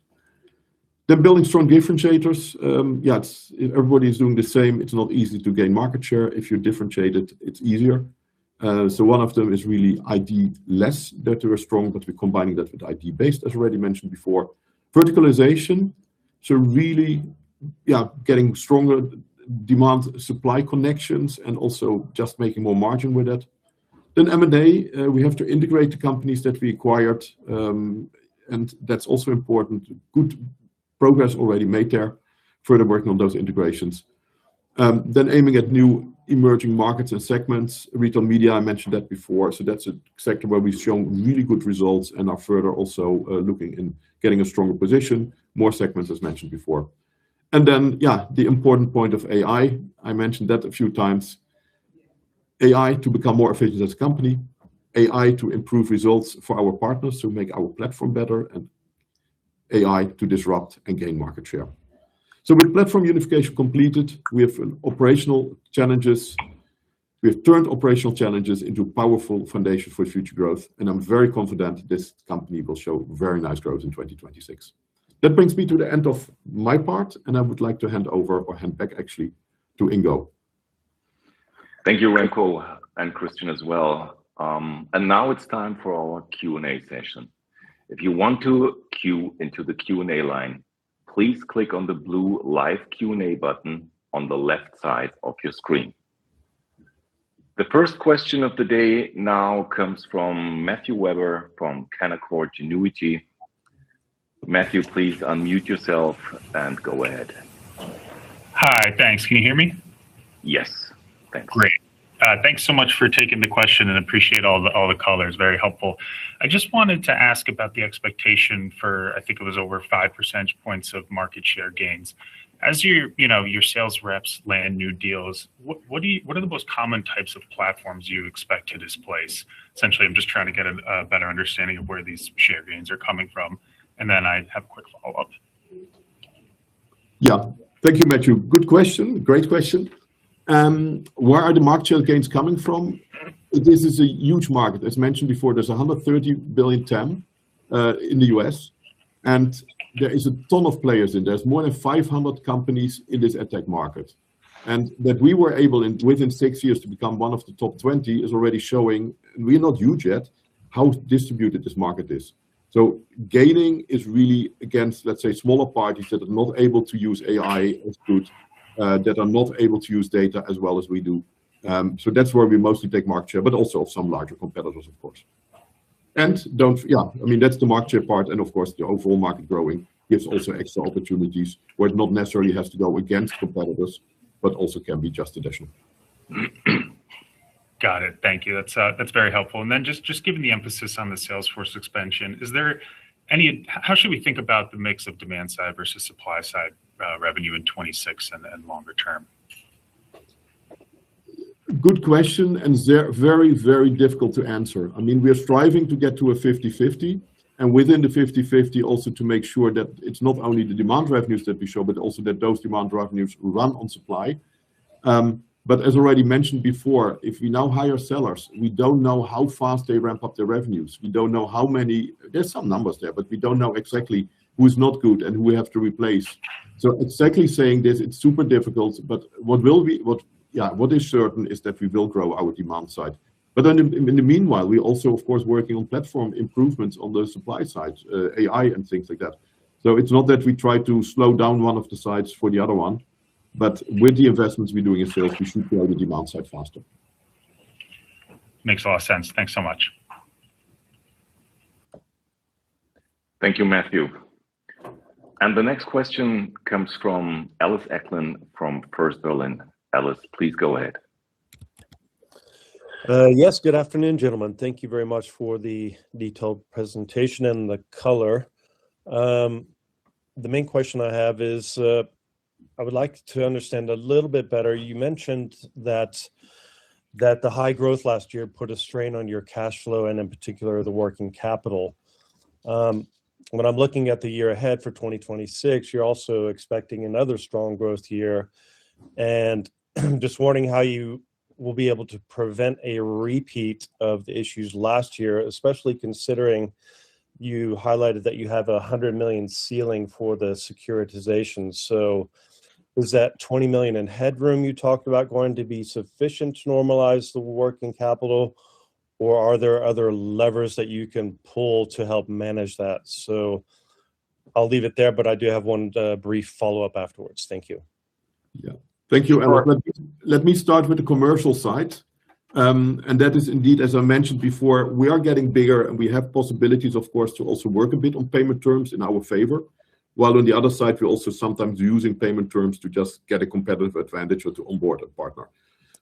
Building strong differentiators. Yes, everybody is doing the same. It's not easy to gain market share. If you're differentiated, it's easier. So one of them is really ID-less, that we're strong, but we're combining that with ID-based, as already mentioned before. Verticalization, so really, yeah, getting stronger demand, supply connections, and also just making more margin with it. Then M&A, we have to integrate the companies that we acquired, and that's also important. Good progress already made there. Further working on those integrations. Then aiming at new emerging markets and segments. Retail media, I mentioned that before, so that's a sector where we've shown really good results and are further also looking in getting a stronger position. More segments, as mentioned before. And then, yeah, the important point of AI, I mentioned that a few times. AI to become more efficient as a company, AI to improve results for our partners, to make our platform better, and AI to disrupt and gain market share. So with platform unification completed, we have an operational challenges... We have turned operational challenges into powerful foundation for future growth, and I'm very confident this company will show very nice growth in 2026. That brings me to the end of my part, and I would like to hand over, or hand back, actually, to Ingo. Thank you, Remco, and Christian as well. And now it's time for our Q&A session. If you want to queue into the Q&A line, please click on the blue Live Q&A button on the left side of your screen. The first question of the day now comes from Matthew Weber, from Canaccord Genuity. Matthew, please unmute yourself and go ahead. Hi. Thanks. Can you hear me? Yes. Thanks. Great. Thanks so much for taking the question, and appreciate all the, all the colors. Very helpful. I just wanted to ask about the expectation for, I think it was over five percentage points of market share gains. As your, you know, your sales reps land new deals, what, what do you- what are the most common types of platforms you expect to displace? Essentially, I'm just trying to get a, a better understanding of where these share gains are coming from, and then I have a quick follow-up. Yeah. Thank you, Matthew. Good question. Great question. Where are the market share gains coming from? This is a huge market. As mentioned before, there's a $130 billion TAM in the U.S., and there is a ton of players in there. There's more than 500 companies in this ad tech market. And that we were able, in within six years, to become one of the top 20, is already showing, we're not huge yet, how distributed this market is. So gaining is really against, let's say, smaller parties that are not able to use AI as good, that are not able to use data as well as we do. So that's where we mostly take market share, but also some larger competitors, of course. And don't... Yeah, I mean, that's the market share part, and of course, the overall market growing gives also extra opportunities, where it not necessarily has to go against competitors, but also can be just additional. Got it. Thank you. That's, that's very helpful. And then just, just given the emphasis on the sales force expansion, how should we think about the mix of demand side versus supply side revenue in 2026 and longer term? Good question, and very, very difficult to answer. I mean, we are striving to get to a 50/50, and within the 50/50, also to make sure that it's not only the demand revenues that we show, but also that those demand revenues run on supply. But as already mentioned before, if we now hire sellers, we don't know how fast they ramp up their revenues. We don't know how many... There's some numbers there, but we don't know exactly who's not good and who we have to replace. So exactly saying this, it's super difficult, but what will be- what, yeah, what is certain, is that we will grow our demand side. But then in, in the meanwhile, we're also, of course, working on platform improvements on the supply side, AI and things like that. It's not that we try to slow down one of the sides for the other one, but with the investments we're doing in sales, we should grow the demand side faster. Makes a lot of sense. Thanks so much. Thank you, Matthew. The next question comes from Ellis Acklin from First Berlin. Alice, please go ahead. Yes. Good afternoon, gentlemen. Thank you very much for the detailed presentation and the color. The main question I have is, I would like to understand a little bit better. You mentioned that the high growth last year put a strain on your cash flow and, in particular, the working capital. When I'm looking at the year ahead for 2026, you're also expecting another strong growth year, and just wondering how you will be able to prevent a repeat of the issues last year, especially considering you highlighted that you have a 100 million ceiling for the securitization. So is that 20 million in headroom you talked about going to be sufficient to normalize the working capital, or are there other levers that you can pull to help manage that? So I'll leave it there, but I do have one brief follow-up afterwards. Thank you. Yeah. Thank you, Ellis. Let me start with the commercial side. And that is indeed, as I mentioned before, we are getting bigger, and we have possibilities, of course, to also work a bit on payment terms in our favor. While on the other side, we're also sometimes using payment terms to just get a competitive advantage or to onboard a partner.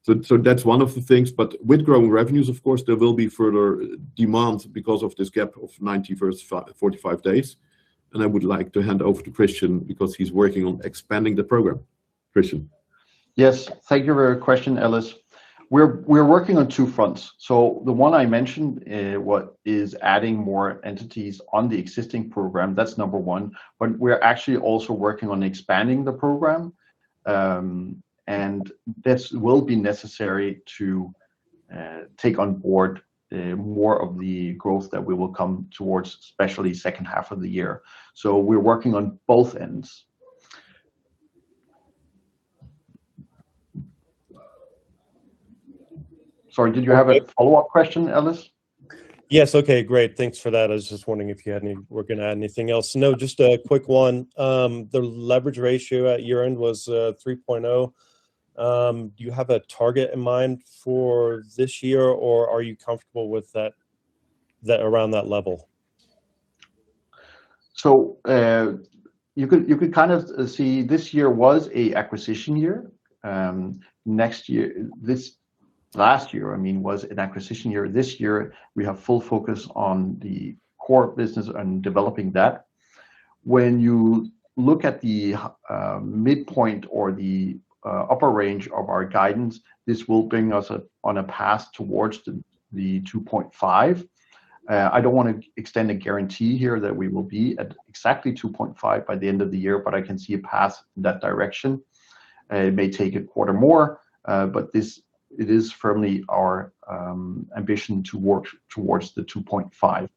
So that's one of the things, but with growing revenues, of course, there will be further demand because of this gap of 90 to 45 days, and I would like to hand over to Christian because he's working on expanding the program. Christian? Yes. Thank you for your question, Ellis. We're, we're working on two fronts. So the one I mentioned, what is adding more entities on the existing program, that's number one. But we're actually also working on expanding the program, and this will be necessary to take on board more of the growth that we will come towards, especially second half of the year. So we're working on both ends. Sorry, did you have a follow-up question, Ellis? Yes. Okay, great, thanks for that. I was just wondering if you had any... working on anything else. No, just a quick one. The leverage ratio at year-end was 3.0. Do you have a target in mind for this year, or are you comfortable with that around that level? You could kind of see this year was an acquisition year. Next year... This last year, I mean, was an acquisition year. This year, we have full focus on the core business and developing that. When you look at the midpoint or the upper range of our guidance, this will bring us on a path towards the 2.5. I don't want to extend a guarantee here that we will be at exactly 2.5 by the end of the year, but I can see a path in that direction. It may take a quarter more, but it is firmly our ambition to work towards the 2.5.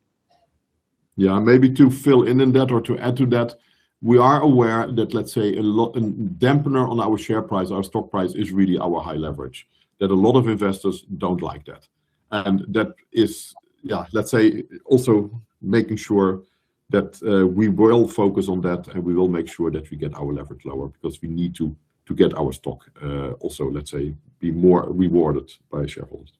Yeah, maybe to fill in on that or to add to that, we are aware that, let's say, a dampener on our share price, our stock price, is really our high leverage, that a lot of investors don't like that. And that is, yeah, let's say, also making sure that we will focus on that, and we will make sure that we get our leverage lower because we need to get our stock also, let's say, be more rewarded by shareholders.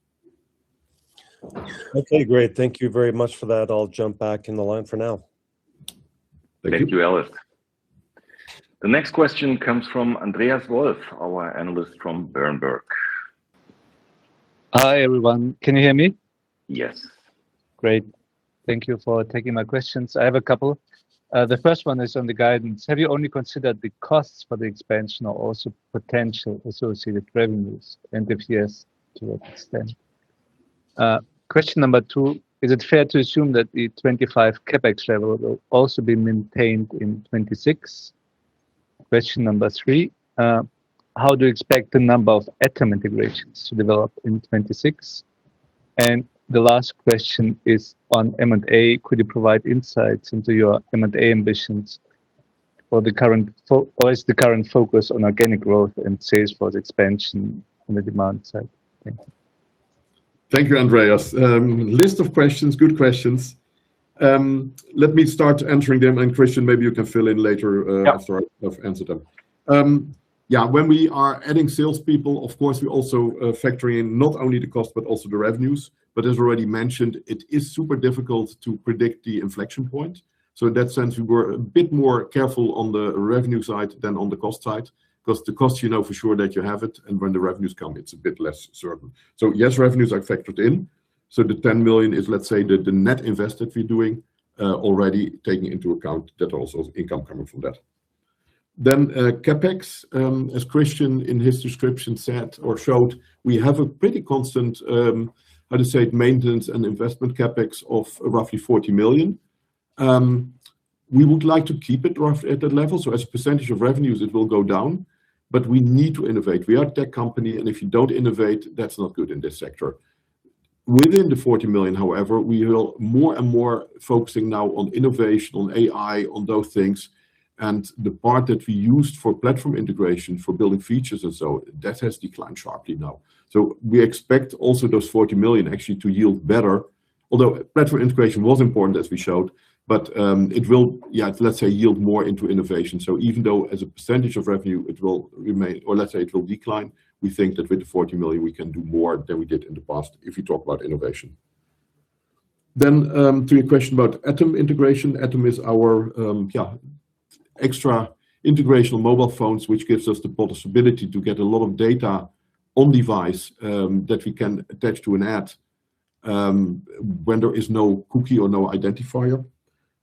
Okay, great. Thank you very much for that. I'll jump back in the line for now. Thank you. Thank you, Ellis. The next question comes from Andreas Markou, our analyst from Berenberg. Hi, everyone. Can you hear me? Yes. Great. Thank you for taking my questions. I have a couple. The first one is on the guidance. Have you only considered the costs for the expansion or also potential associated revenues and the PS to what extent? Question number two: Is it fair to assume that the 2025 CapEx level will also be maintained in 2026? Question number three: How do you expect the number of ATOM integrations to develop in 2026? And the last question is on M&A. Could you provide insights into your M&A ambitions or the current focus on organic growth and sales force expansion on the demand side? Thanks. Thank you, Andreas. List of questions, good questions. Let me start answering them, and, Christian, maybe you can fill in later. Yeah... after I've answered them. Yeah, when we are adding salespeople, of course, we also factor in not only the cost, but also the revenues. But as already mentioned, it is super difficult to predict the inflection point. So in that sense, we were a bit more careful on the revenue side than on the cost side, because the cost, you know for sure that you have it, and when the revenues come, it's a bit less certain. So yes, revenues are factored in. So the 10 million is, let's say, the net invest that we're doing, already taking into account that also income coming from that. Then, CapEx, as Christian, in his description, said or showed, we have a pretty constant, how to say it, maintenance and investment CapEx of roughly 40 million. We would like to keep it rough at that level, so as a percentage of revenues, it will go down, but we need to innovate. We are a tech company, and if you don't innovate, that's not good in this sector. Within the 40 million, however, we will more and more focusing now on innovation, on AI, on those things, and the part that we used for platform integration, for building features and so, that has declined sharply now. So we expect also those 40 million actually to yield better, although platform integration was important, as we showed, but, it will, yeah, let's say, yield more into innovation. So even though as a percentage of revenue, it will remain, or let's say it will decline, we think that with the 40 million, we can do more than we did in the past if you talk about innovation. Then, to your question about ATOM integration, ATOM is our extra integration of mobile phones, which gives us the possibility to get a lot of data on device that we can attach to an ad when there is no cookie or no identifier.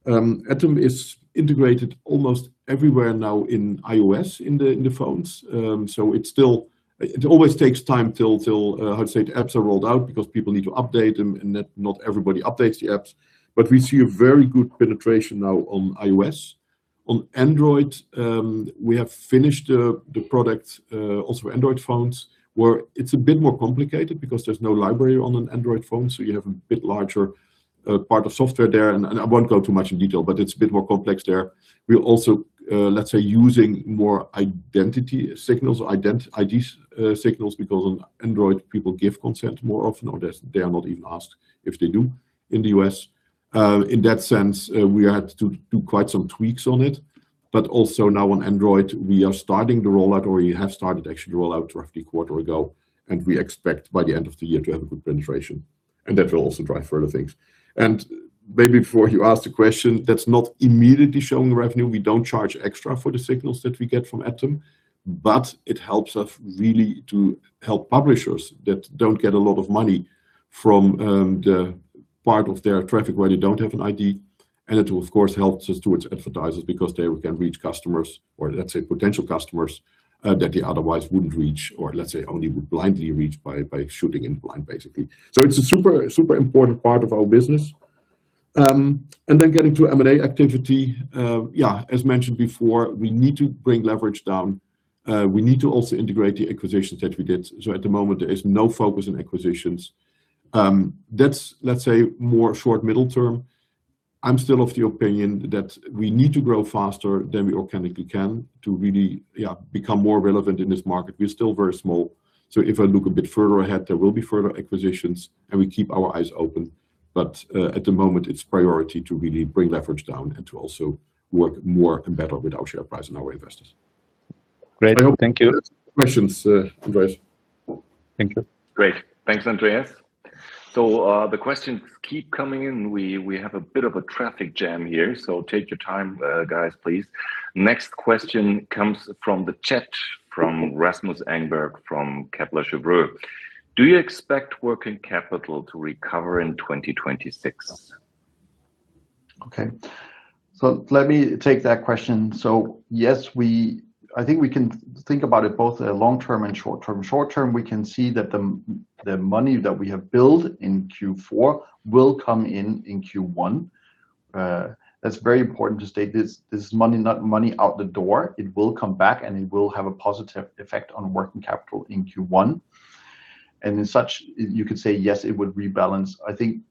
ATOM is integrated almost everywhere now in iOS, in the phones. So it's still... It always takes time till, how to say it, apps are rolled out because people need to update them, and not everybody updates the apps. But we see a very good penetration now on iOS. On Android, we have finished the product also Android phones, where it's a bit more complicated because there's no library on an Android phone, so you have a bit larger part of software there. I won't go too much in detail, but it's a bit more complex there. We're also, let's say, using more identity signals, IDs, signals, because on Android, people give consent more often, or they, they are not even asked if they do in the U.S. In that sense, we had to do quite some tweaks on it. But also now on Android, we are starting to roll out, or we have started actually to roll out roughly a quarter ago, and we expect by the end of the year to have a good penetration, and that will also drive further things. And maybe before you ask the question, that's not immediately showing the revenue. We don't charge extra for the signals that we get from ATOM, but it helps us really to help publishers that don't get a lot of money from the part of their traffic where they don't have an ID. And it, of course, helps us towards advertisers because they can reach customers or, let's say, potential customers, that they otherwise wouldn't reach, or let's say, only would blindly reach by, by shooting in blind, basically. So it's a super, super important part of our business. And then getting to M&A activity, yeah, as mentioned before, we need to bring leverage down. We need to also integrate the acquisitions that we did. So at the moment, there is no focus on acquisitions. That's, let's say, more short, middle term. I'm still of the opinion that we need to grow faster than we organically can to really, yeah, become more relevant in this market. We're still very small. So if I look a bit further ahead, there will be further acquisitions, and we keep our eyes open. But, at the moment, it's priority to really bring leverage down and to also work more and better with our share price and our investors. Great. Thank you. Questions, Andreas. Thank you. Great. Thanks, Andreas. So, the questions keep coming in. We have a bit of a traffic jam here, so take your time, guys, please. Next question comes from the chat, from Rasmus Engberg, from Kepler Cheuvreux: Do you expect working capital to recover in 2026? Okay. So let me take that question. So yes, I think we can think about it both as a long term and short term. Short term, we can see that the money that we have built in Q4 will come in, in Q1. That's very important to state. This is money, not money out the door. It will come back, and it will have a positive effect on working capital in Q1. And as such, you could say, yes, it would rebalance. I think,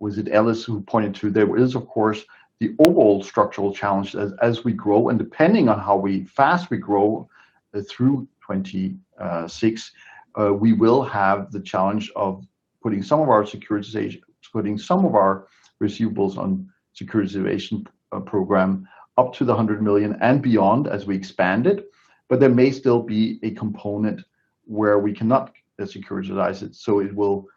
was it Ellis who pointed to there is, of course, the overall structural challenge as we grow, and depending on how fast we grow through 2026, we will have the challenge of putting some of our securitization, putting some of our receivables on securitization program up to the $100 million and beyond as we expand it. But there may still be a component where we cannot securitize it, so it will...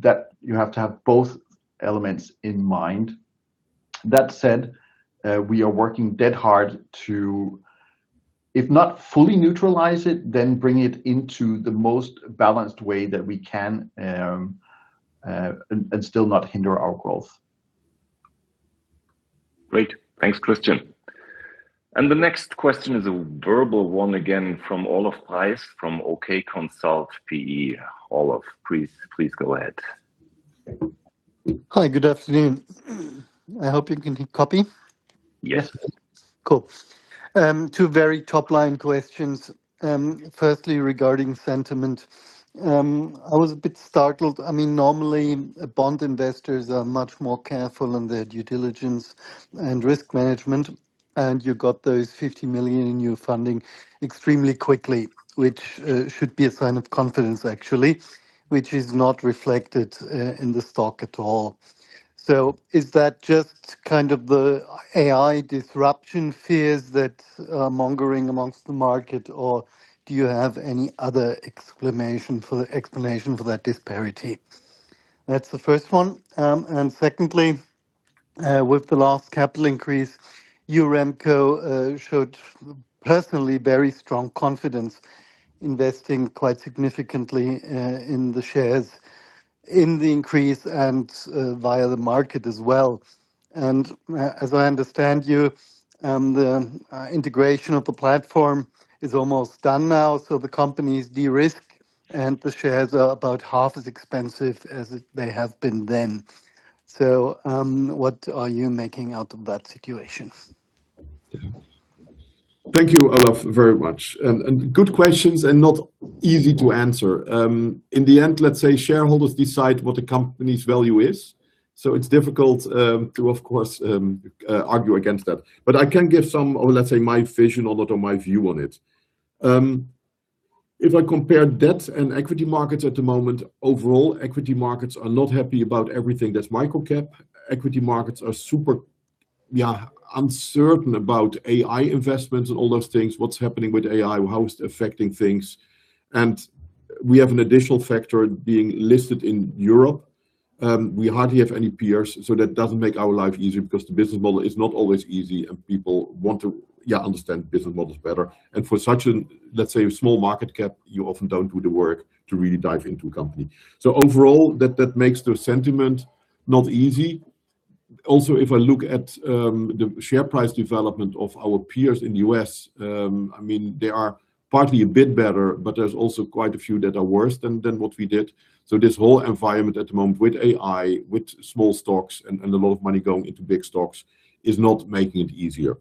That you have to have both elements in mind. That said, we are working dead hard to, if not fully neutralize it, then bring it into the most balanced way that we can, and still not hinder our growth. Great. Thanks, Christian. The next question is a verbal one again from Olaf Preis, from OK Consult PE. Olaf, please, please go ahead. Hi, good afternoon. I hope you can hear copy? Yes. Cool. Two very top-line questions. Firstly, regarding sentiment, I was a bit startled. I mean, normally, bond investors are much more careful in their due diligence and risk management, and you got those 50 million in new funding extremely quickly, which should be a sign of confidence, actually, which is not reflected in the stock at all. So is that just kind of the AI disruption fears that are mongering amongst the market, or do you have any other explanation for that disparity? That's the first one. And secondly, with the last capital increase, Remco showed personally very strong confidence, investing quite significantly in the shares, in the increase, and via the market as well. And as I understand you, the integration of the platform is almost done now, so the company is de-risked, and the shares are about half as expensive as they have been then. So, what are you making out of that situation? Thank you, Olaf, very much, and good questions, and not easy to answer. In the end, let's say shareholders decide what the company's value is, so it's difficult to, of course, argue against that. But I can give some or let's say, my vision on it or my view on it. If I compare debt and equity markets at the moment, overall, equity markets are not happy about everything that's micro-cap. Equity markets are super, yeah, uncertain about AI investments and all those things, what's happening with AI, how it's affecting things. And we have an additional factor being listed in Europe. We hardly have any peers, so that doesn't make our life easier because the business model is not always easy, and people want to, yeah, understand business models better. For such a, let's say, small market cap, you often don't do the work to really dive into a company. Overall, that, that makes the sentiment not easy. Also, if I look at the share price development of our peers in the US, I mean, they are partly a bit better, but there's also quite a few that are worse than, than what we did. This whole environment at the moment with AI, with small stocks, and a lot of money going into big stocks, is not making it easier.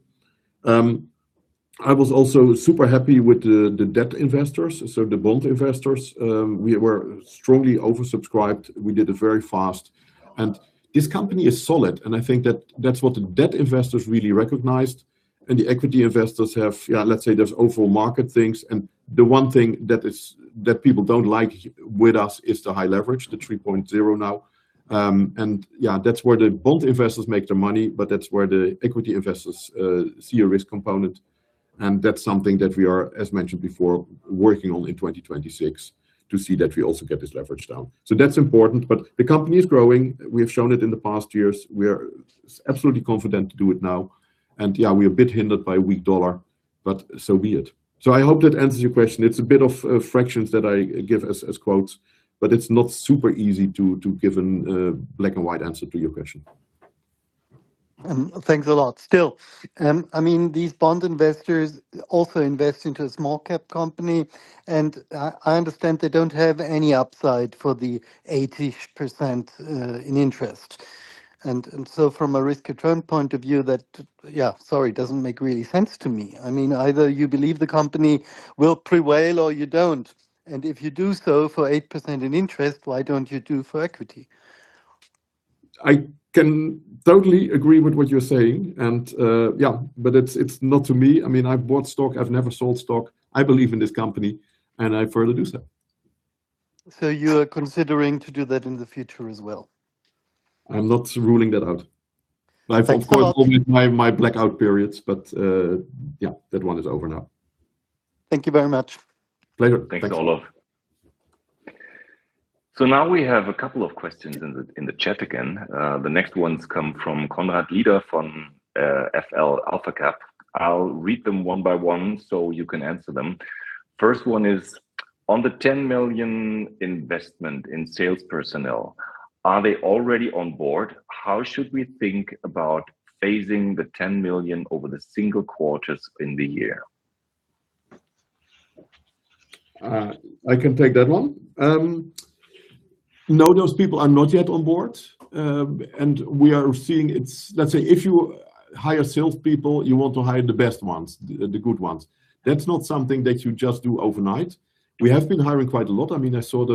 I was also super happy with the, the debt investors, so the bond investors. We were strongly oversubscribed. We did it very fast, and this company is solid, and I think that that's what the debt investors really recognized, and the equity investors have, yeah, let's say, there's overall market things, and the one thing that people don't like with us is the high leverage, the 3.0 now. And, yeah, that's where the bond investors make their money, but that's where the equity investors see a risk component, and that's something that we are, as mentioned before, working on in 2026 to see that we also get this leverage down. So that's important, but the company is growing. We have shown it in the past years. We are absolutely confident to do it now, and, yeah, we are a bit hindered by weak US dollar, but so be it. So I hope that answers your question. It's a bit of fractions that I give as quotes, but it's not super easy to give a black-and-white answer to your question. Thanks a lot. Still, I mean, these bond investors also invest into a small-cap company, and I understand they don't have any upside for the 80% in interest. And so from a risk and return point of view, it doesn't make really sense to me. I mean, either you believe the company will prevail or you don't, and if you do so for 8% in interest, why don't you do for equity? I can totally agree with what you're saying, and yeah, but it's not to me. I mean, I've bought stock, I've never sold stock. I believe in this company, and I further do so. You're considering to do that in the future as well? I'm not ruling that out. Thanks a lot. Of course, only my blackout periods, but yeah, that one is over now. Thank you very much. Pleasure. Thanks. Thanks, Olof. So now we have a couple of questions in the chat again. The next ones come from Conrad Leader from FL Alphacap. I'll read them one by one so you can answer them. First one is: On the 10 million investment in sales personnel, are they already on board? How should we think about phasing the 10 million over the single quarters in the year? I can take that one. No, those people are not yet on board, and we are seeing it's... Let's say, if you hire salespeople, you want to hire the best ones, the good ones. That's not something that you just do overnight. We have been hiring quite a lot. I mean, I showed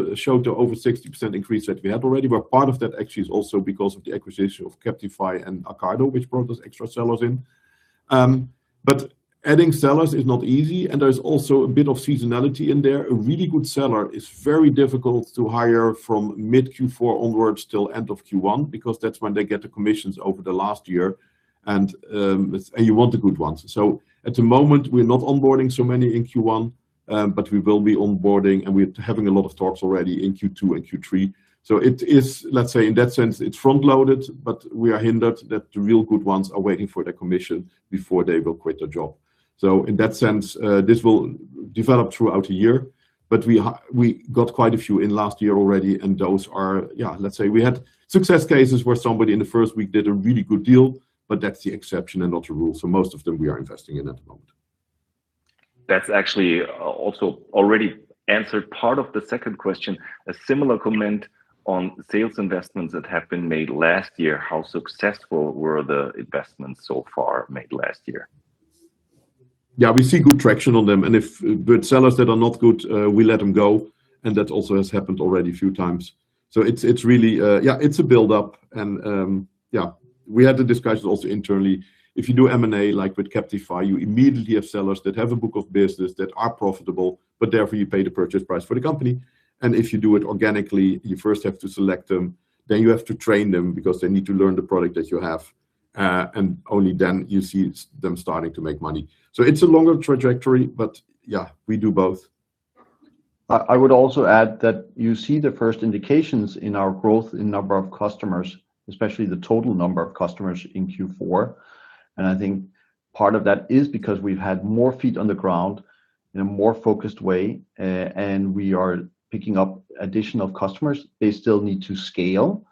the over 60% increase that we had already, but part of that actually is also because of the acquisition of Captify and Acardo, which brought those extra sellers in. But adding sellers is not easy, and there's also a bit of seasonality in there. A really good seller is very difficult to hire from mid-Q4 onwards till end of Q1, because that's when they get the commissions over the last year, and you want the good ones. So at the moment, we're not onboarding so many in Q1, but we will be onboarding, and we're having a lot of talks already in Q2 and Q3. So it is, let's say in that sense, it's front-loaded, but we are hindered that the real good ones are waiting for their commission before they will quit their job. So in that sense, this will develop throughout the year, but we got quite a few in last year already, and those are... Yeah, let's say we had success cases where somebody in the first week did a really good deal, but that's the exception and not the rule. So most of them we are investing in at the moment. That's actually also already answered part of the second question. A similar comment on sales investments that have been made last year. How successful were the investments so far made last year? Yeah, we see good traction on them, and if good sellers that are not good, we let them go, and that also has happened already a few times. So it's, it's really, yeah, it's a build-up, and, yeah, we had the discussion also internally. If you do M&A, like with Captify, you immediately have sellers that have a book of business that are profitable, but therefore, you pay the purchase price for the company. And if you do it organically, you first have to select them, then you have to train them because they need to learn the product that you have, and only then you see them starting to make money. So it's a longer trajectory, but yeah, we do both. I would also add that you see the first indications in our growth in number of customers, especially the total number of customers in Q4, and I think part of that is because we've had more feet on the ground in a more focused way, and we are picking up additional customers. They still need to scale,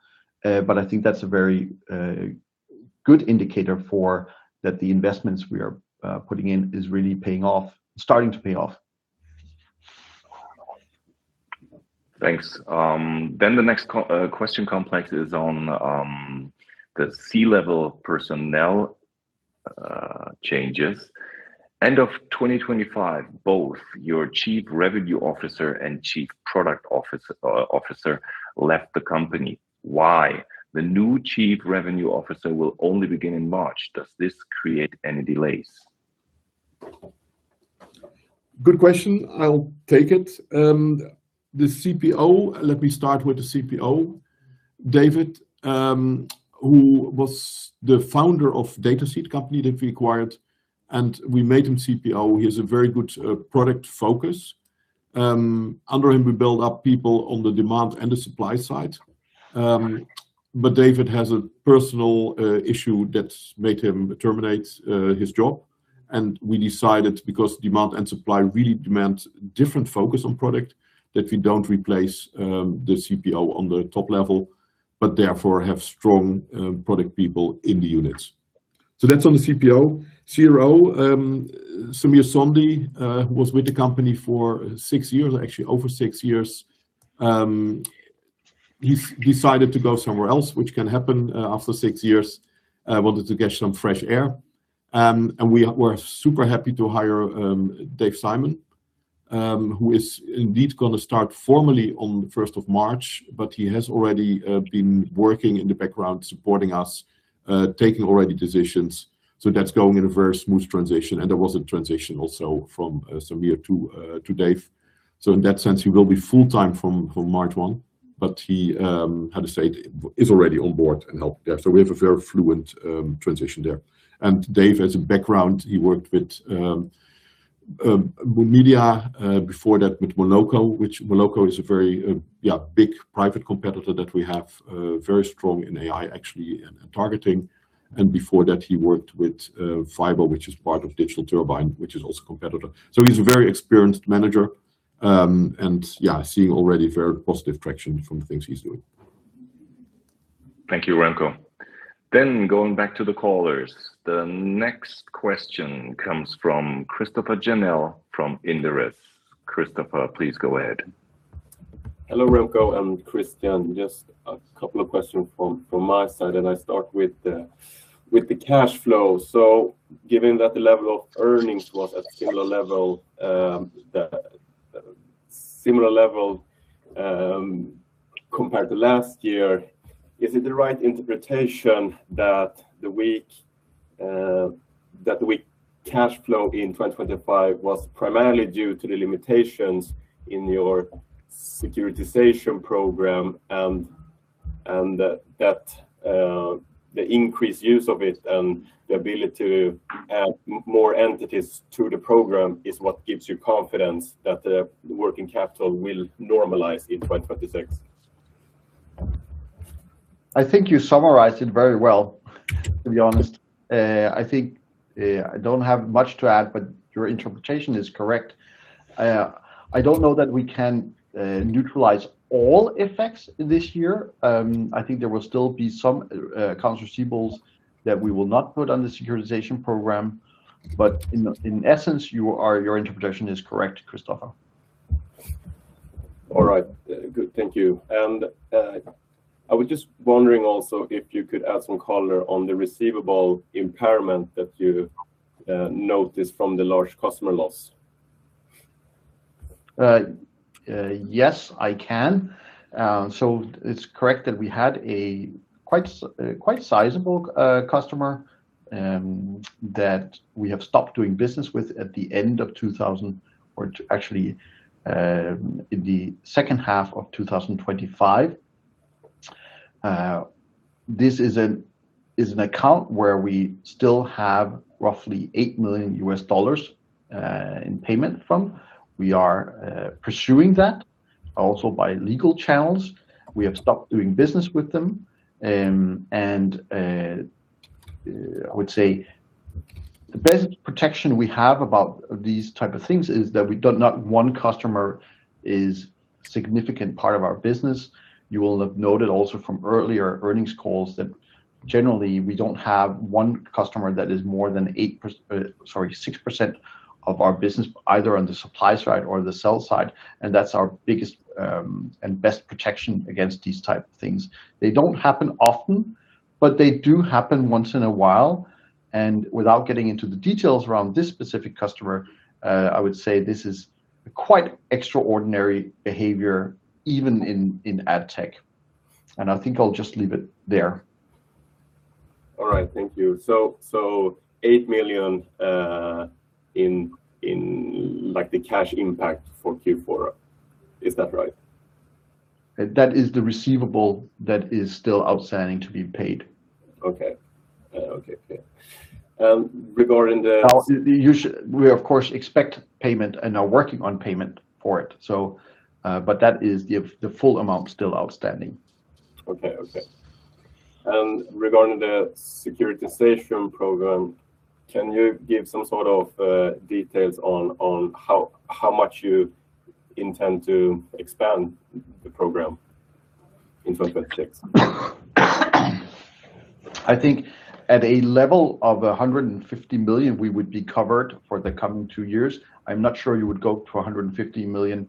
but I think that's a very good indicator that the investments we are putting in is really paying off, starting to pay off. Thanks. Then the next question complex is on the C-level personnel changes. End of 2025, both your Chief Revenue Officer and Chief Product Officer left the company. Why? The new Chief Revenue Officer will only begin in March. Does this create any delays? Good question. I'll take it. The CPO, let me start with the CPO. David, who was the founder of Dataseed company that we acquired, and we made him CPO. He has a very good product focus. Under him, we build up people on the demand and the supply side. But David has a personal issue that made him terminate his job, and we decided, because demand and supply really demand different focus on product, that we don't replace the CPO on the top level, but therefore have strong product people in the units. So that's on the CPO. CRO, Sameer Sondhi was with the company for six years, actually over six years. He's decided to go somewhere else, which can happen after six years, wanted to get some fresh air. We are super happy to hire Dave Simon, who is indeed gonna start formally on March 1, but he has already been working in the background, supporting us, taking already decisions. That's going in a very smooth transition, and there was a transition also from Sameer to Dave. In that sense, he will be full-time from March 1, but he, how to say, is already on board and helped there. We have a very fluent transition there. Dave, as a background, he worked with Jun Group, before that with Moloco, which Moloco is a very big private competitor that we have, very strong in AI, actually, and in targeting. Before that, he worked with Fyber, which is part of Digital Turbine, which is also a competitor. So he's a very experienced manager. And yeah, seeing already very positive traction from the things he's doing. Thank you, Remco. Then going back to the callers, the next question comes from Christoffer Jannel from Inderes. Christopher, please go ahead. Hello, Remco and Christian. Just a couple of questions from my side, and I start with the cash flow. So given that the level of earnings was at similar level, the similar level, compared to last year, is it the right interpretation that that weak cash flow in 2025 was primarily due to the limitations in your securitization program? And that the increased use of it and the ability to add more entities to the program is what gives you confidence that the working capital will normalize in 2026. I think you summarized it very well, to be honest. I think, I don't have much to add, but your interpretation is correct. I don't know that we can neutralize all effects this year. I think there will still be some accounts receivables that we will not put on the securitization program, but in essence, your interpretation is correct, Christopher. All right. Good, thank you. And, I was just wondering also if you could add some color on the receivable impairment that you noticed from the large customer loss? Yes, I can. So it's correct that we had a quite sizable customer that we have stopped doing business with at the end of 2025. Or actually, in the second half of 2025. This is an account where we still have roughly $8 million in payment from. We are pursuing that, also by legal channels. We have stopped doing business with them. And I would say the best protection we have about these type of things is that we don't, not one customer is a significant part of our business. You will have noted also from earlier earnings calls that generally, we don't have one customer that is more than 6% of our business, either on the supply side or the sell side, and that's our biggest and best protection against these type of things. They don't happen often, but they do happen once in a while. Without getting into the details around this specific customer, I would say this is quite extraordinary behavior, even in ad tech. I think I'll just leave it there. All right, thank you. So, 8 million in like the cash impact for Q4, is that right? That is the receivable that is still outstanding to be paid. Okay. Okay, clear. Regarding the- Now, we, of course, expect payment and are working on payment for it, so, but that is the full amount still outstanding. Okay, okay. Regarding the securitization program, can you give some sort of details on how much you intend to expand the program in 2026? I think at a level of 150 million, we would be covered for the coming two years. I'm not sure you would go to 150 million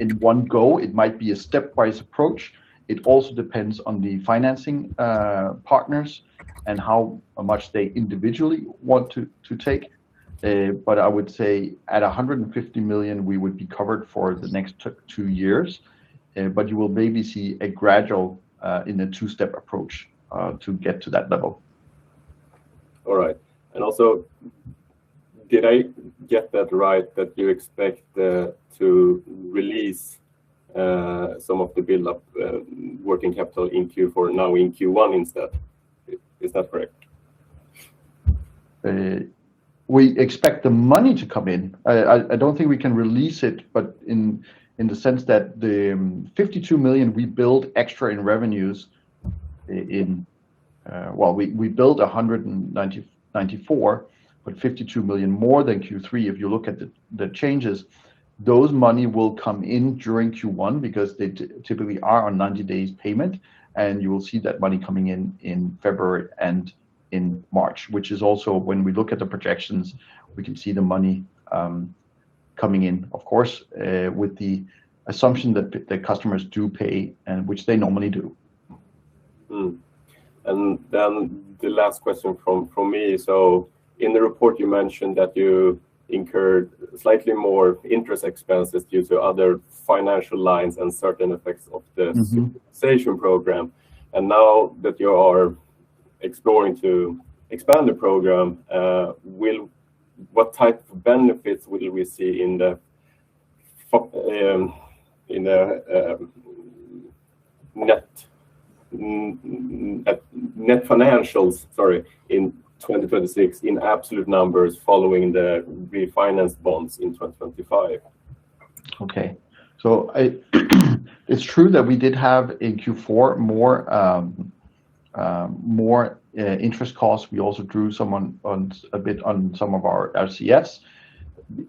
in one go. It might be a stepwise approach. It also depends on the financing partners and how much they individually want to take. But I would say at 150 million, we would be covered for the next two years, but you will maybe see a gradual, in a two-step approach, to get to that level. All right. And also, did I get that right, that you expect to release some of the buildup working capital in Q4, now in Q1 instead? Is that correct? We expect the money to come in. I don't think we can release it, but in the sense that the 52 million we build extra in revenues in. Well, we build 194 million, but 52 million more than Q3, if you look at the changes. Those money will come in during Q1 because they typically are on 90 days payment, and you will see that money coming in in February and in March, which is also when we look at the projections, we can see the money coming in, of course, with the assumption that the customers do pay, and which they normally do. Then the last question from me. In the report, you mentioned that you incurred slightly more interest expenses due to other financial lines and certain effects of the- Mm-hmm - securitization program. And now that you are exploring to expand the program, what type of benefits will we see in the net financials, sorry, in 2026, in absolute numbers, following the refinance bonds in 2025? Okay. It's true that we did have, in Q4, more interest costs. We also drew some on a bit on some of our RCFs.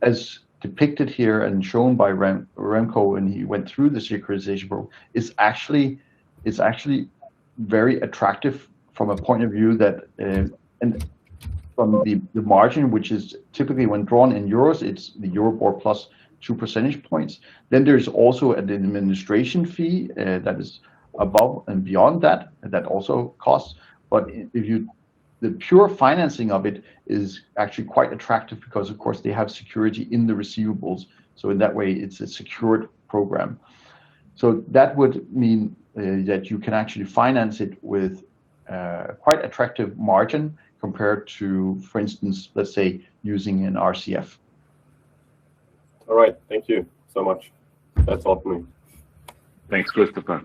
As depicted here and shown by Remco, when he went through the securitization program, it's actually very attractive from a point of view that, uh... From the margin, which is typically when drawn in euros, it's the EURIBOR plus two percentage points. There is also an administration fee that is above and beyond that, and that also costs. If you-- the pure financing of it is actually quite attractive because, of course, they have security in the receivables, so in that way, it's a secured program. That would mean that you can actually finance it with quite attractive margin compared to, for instance, let's say, using an RCF. All right. Thank you so much. That's all for me. Thanks, Christopher.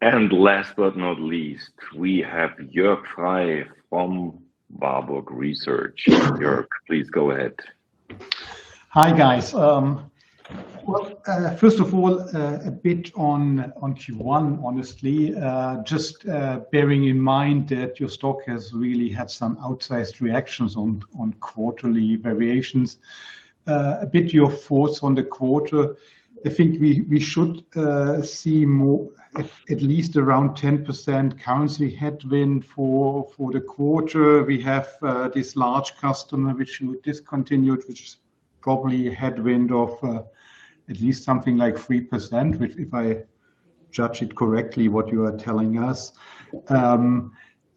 And last but not least, we have Jörg Frey from Warburg Research. Jörg, please go ahead. Hi, guys. Well, first of all, a bit on Q1, honestly. Just bearing in mind that your stock has really had some outsized reactions on quarterly variations, a bit of your thoughts on the quarter. I think we should see more, at least around 10% currency headwind for the quarter. We have this large customer which we discontinued, which is probably a headwind of at least something like 3%, which if I judge it correctly, what you are telling us.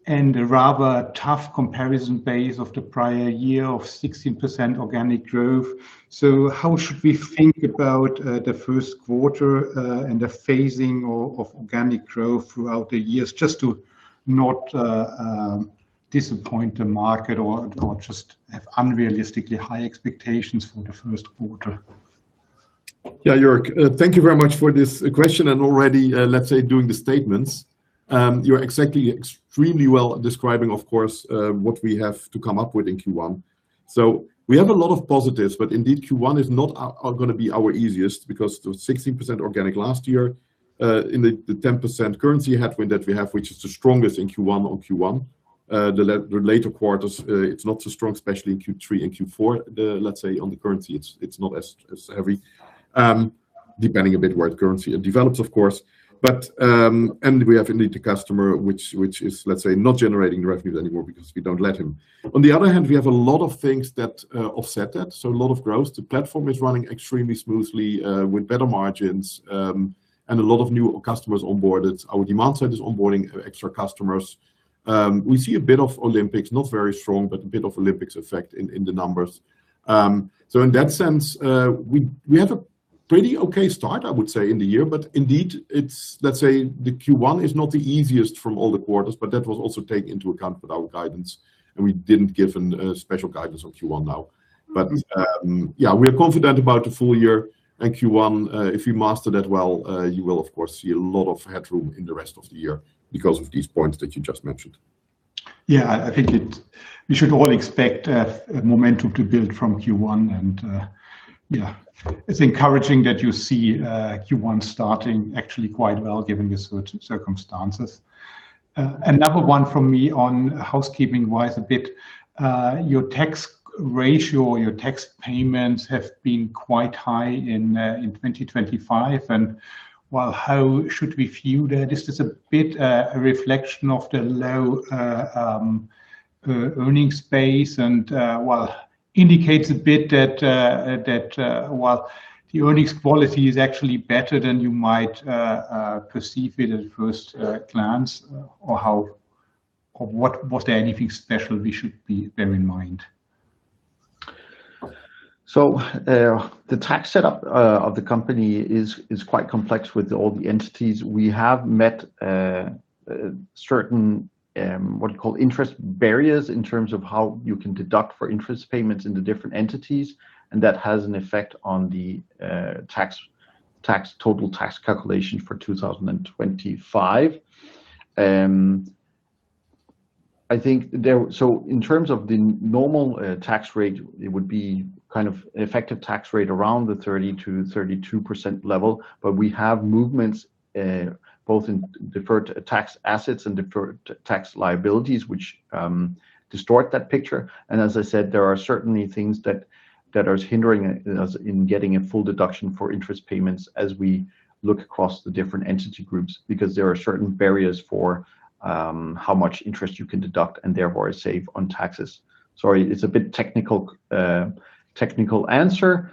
And a rather tough comparison base of the prior year of 16% organic growth. So how should we think about the Q1 and the phasing of organic growth throughout the years, just to not disappoint the market or just have unrealistically high expectations for the Q1? Yeah, Jörg, thank you very much for this question, and already, let's say, doing the statements. You're exactly extremely well at describing, of course, what we have to come up with in Q1. So we have a lot of positives, but indeed, Q1 is not gonna be our easiest because the 16% organic last year, in the 10% currency headwind that we have, which is the strongest in Q1 on Q1. The later quarters, it's not so strong, especially in Q3 and Q4. Let's say, on the currency, it's not as heavy. Depending a bit where the currency it develops, of course. But, and we have indeed a customer, which is, let's say, not generating the revenues anymore because we don't let him. On the other hand, we have a lot of things that offset that, so a lot of growth. The platform is running extremely smoothly with better margins and a lot of new customers onboarded. Our demand side is onboarding extra customers. We see a bit of Olympics, not very strong, but a bit of Olympics effect in the numbers. So in that sense, we have a pretty okay start, I would say, in the year, but indeed, it's, let's say, the Q1 is not the easiest from all the quarters, but that was also taken into account for our guidance, and we didn't give a special guidance on Q1 now. But yeah, we are confident about the full year and Q1. If you master that well, you will, of course, see a lot of headroom in the rest of the year because of these points that you just mentioned. Yeah, I think we should all expect a momentum to build from Q1, and yeah. It's encouraging that you see Q1 starting actually quite well, given the circumstances. Another one from me on housekeeping-wise a bit. Your tax ratio or your tax payments have been quite high in 2025, and well, how should we view that? This is a bit a reflection of the low earning space, and well, indicates a bit that while the earnings quality is actually better than you might perceive it at first glance, or how or what, was there anything special we should bear in mind? So, the tax setup of the company is quite complex with all the entities. We have met certain what you call interest barriers in terms of how you can deduct for interest payments in the different entities, and that has an effect on the tax total tax calculation for 2025. I think so in terms of the normal tax rate, it would be kind of effective tax rate around the 30%-32% level, but we have movements both in deferred tax assets and deferred tax liabilities, which distort that picture. And as I said, there are certainly things that are hindering us in getting a full deduction for interest payments as we look across the different entity groups, because there are certain barriers for how much interest you can deduct and therefore save on taxes. Sorry, it's a bit technical answer.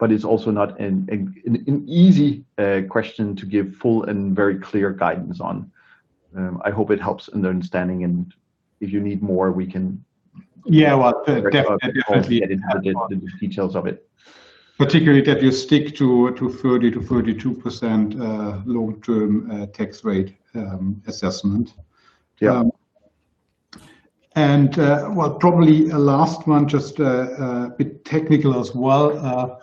But it's also not an easy question to give full and very clear guidance on. I hope it helps in the understanding, and if you need more, we can- Yeah, well, definitely, definitely- Get into the details of it. Particularly that you stick to, to 30%-42% long-term tax rate assessment. Yeah. Probably a last one, just a bit technical as well.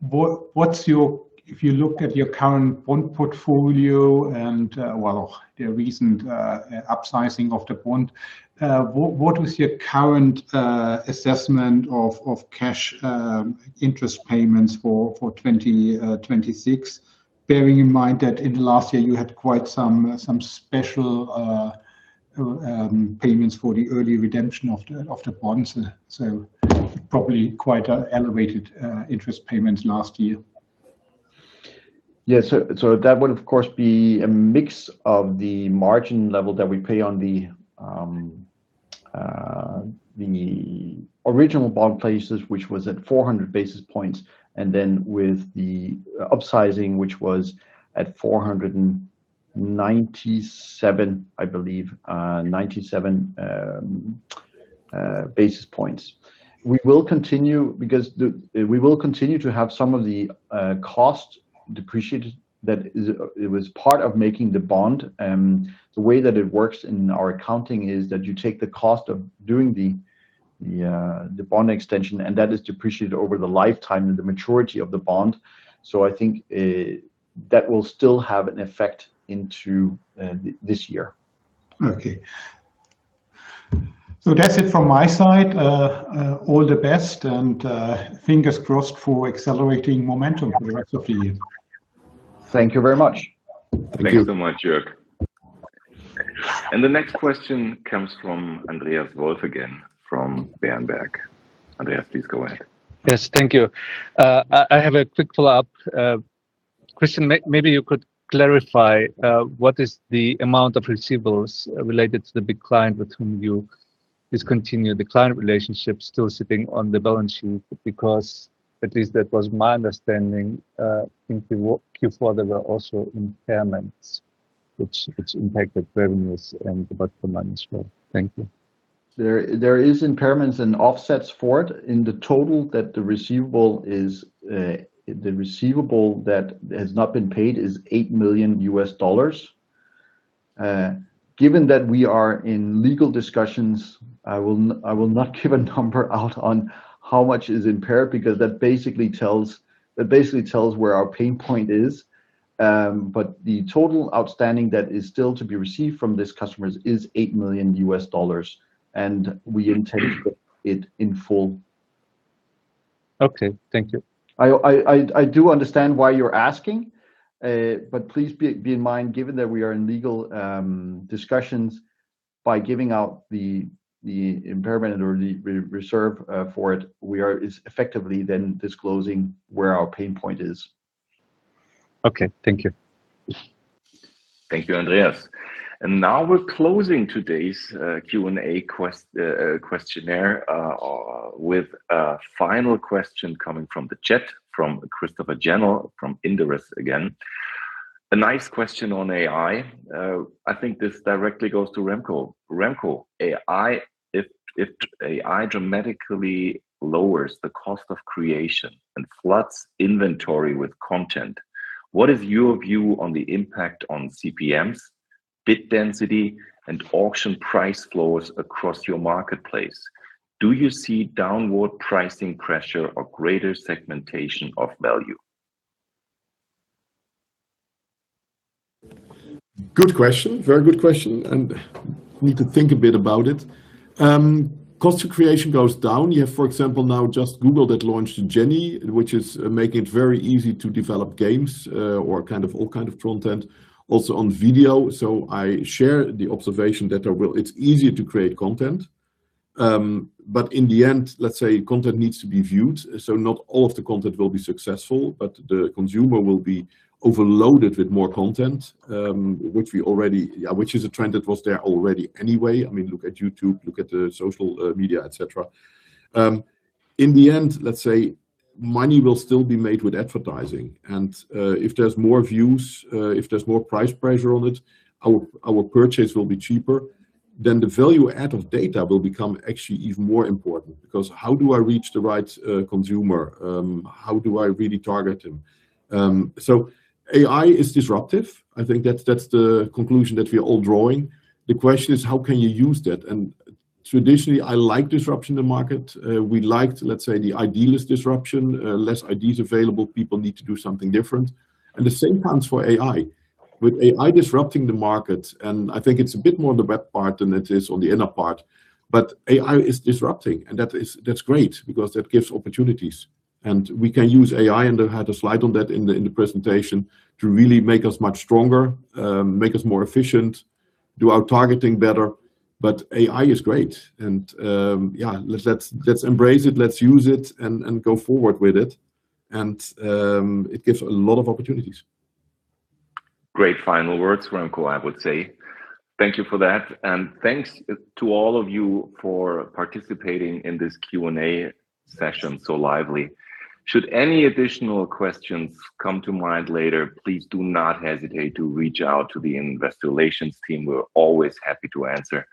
What's your... If you look at your current bond portfolio and, well, the recent upsizing of the bond, what is your current assessment of cash interest payments for 2026? Bearing in mind that in the last year you had quite some some special payments for the early redemption of the bonds. So probably quite elevated interest payments last year. Yeah, so that would, of course, be a mix of the margin level that we pay on the original bond places, which was at 400 basis points, and then with the upsizing, which was at 497, I believe, 97 basis points. We will continue to have some of the cost depreciated. That is, it was part of making the bond, and the way that it works in our accounting is that you take the cost of doing the bond extension, and that is depreciated over the lifetime and the maturity of the bond. So I think that will still have an effect into this year. Okay. So that's it from my side. All the best, and fingers crossed for accelerating momentum for the rest of the year. Thank you very much. Thank you so much, Jörg. The next question comes from Andreas Markou again, from Berenberg. Andreas, please go ahead. Yes, thank you. I have a quick follow-up. Christian, maybe you could clarify what is the amount of receivables related to the big client with whom you discontinued the client relationship still sitting on the balance sheet? Because at least that was my understanding, in Q4, there were also impairments, which impacted fairness and the bottom line as well. Thank you. There is impairments and offsets for it in the total that the receivable is, the receivable that has not been paid is $8 million. Given that we are in legal discussions, I will not give a number out on how much is impaired, because that basically tells, that basically tells where our pain point is. But the total outstanding that is still to be received from this customers is $8 million, and we intend to put it in full. Okay, thank you. I do understand why you're asking, but please be in mind, given that we are in legal discussions, by giving out the impairment or the re-reserve for it, is effectively then disclosing where our pain point is. Okay, thank you. Thank you, Andreas. Now we're closing today's Q&A with a final question coming from the chat, from Christopher Janell, from Inderes again. A nice question on AI. I think this directly goes to Remco. Remco, AI, if AI dramatically lowers the cost of creation and floods inventory with content, what is your view on the impact on CPMs, bid density, and auction price flows across your marketplace? Do you see downward pricing pressure or greater segmentation of value? Good question. Very good question, and I need to think a bit about it. Cost of creation goes down. You have, for example, now just Google that launched Genie, which is making it very easy to develop games, or kind of all kind of content, also on video. So I share the observation that there will- it's easier to create content, but in the end, let's say, content needs to be viewed. So not all of the content will be successful, but the consumer will be overloaded with more content, which we already... Yeah, which is a trend that was there already anyway. I mean, look at YouTube, look at the social, media, et cetera. In the end, let's say money will still be made with advertising, and, if there's more views, if there's more price pressure on it, our, our purchase will be cheaper, then the value add of data will become actually even more important. Because how do I reach the right, consumer? How do I really target them? So AI is disruptive. I think that's, that's the conclusion that we are all drawing. The question is: How can you use that? And traditionally, I like disruption in the market. We like, let's say, the idealist disruption, less ideas available, people need to do something different, and the same counts for AI. With AI disrupting the market, and I think it's a bit more on the web part than it is on the inner part. But AI is disrupting, and that's great because that gives opportunities, and we can use AI, and I had a slide on that in the presentation, to really make us much stronger, make us more efficient, do our targeting better. But AI is great, and yeah, let's, let's, let's embrace it, let's use it, and go forward with it, and it gives a lot of opportunities. Great final words, Remco, I would say. Thank you for that, and thanks to all of you for participating in this Q&A session so lively. Should any additional questions come to mind later, please do not hesitate to reach out to the investor relations team. We're always happy to answer.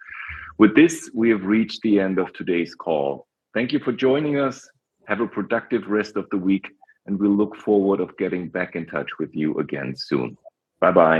With this, we have reached the end of today's call. Thank you for joining us, have a productive rest of the week, and we look forward of getting back in touch with you again soon. Bye-bye.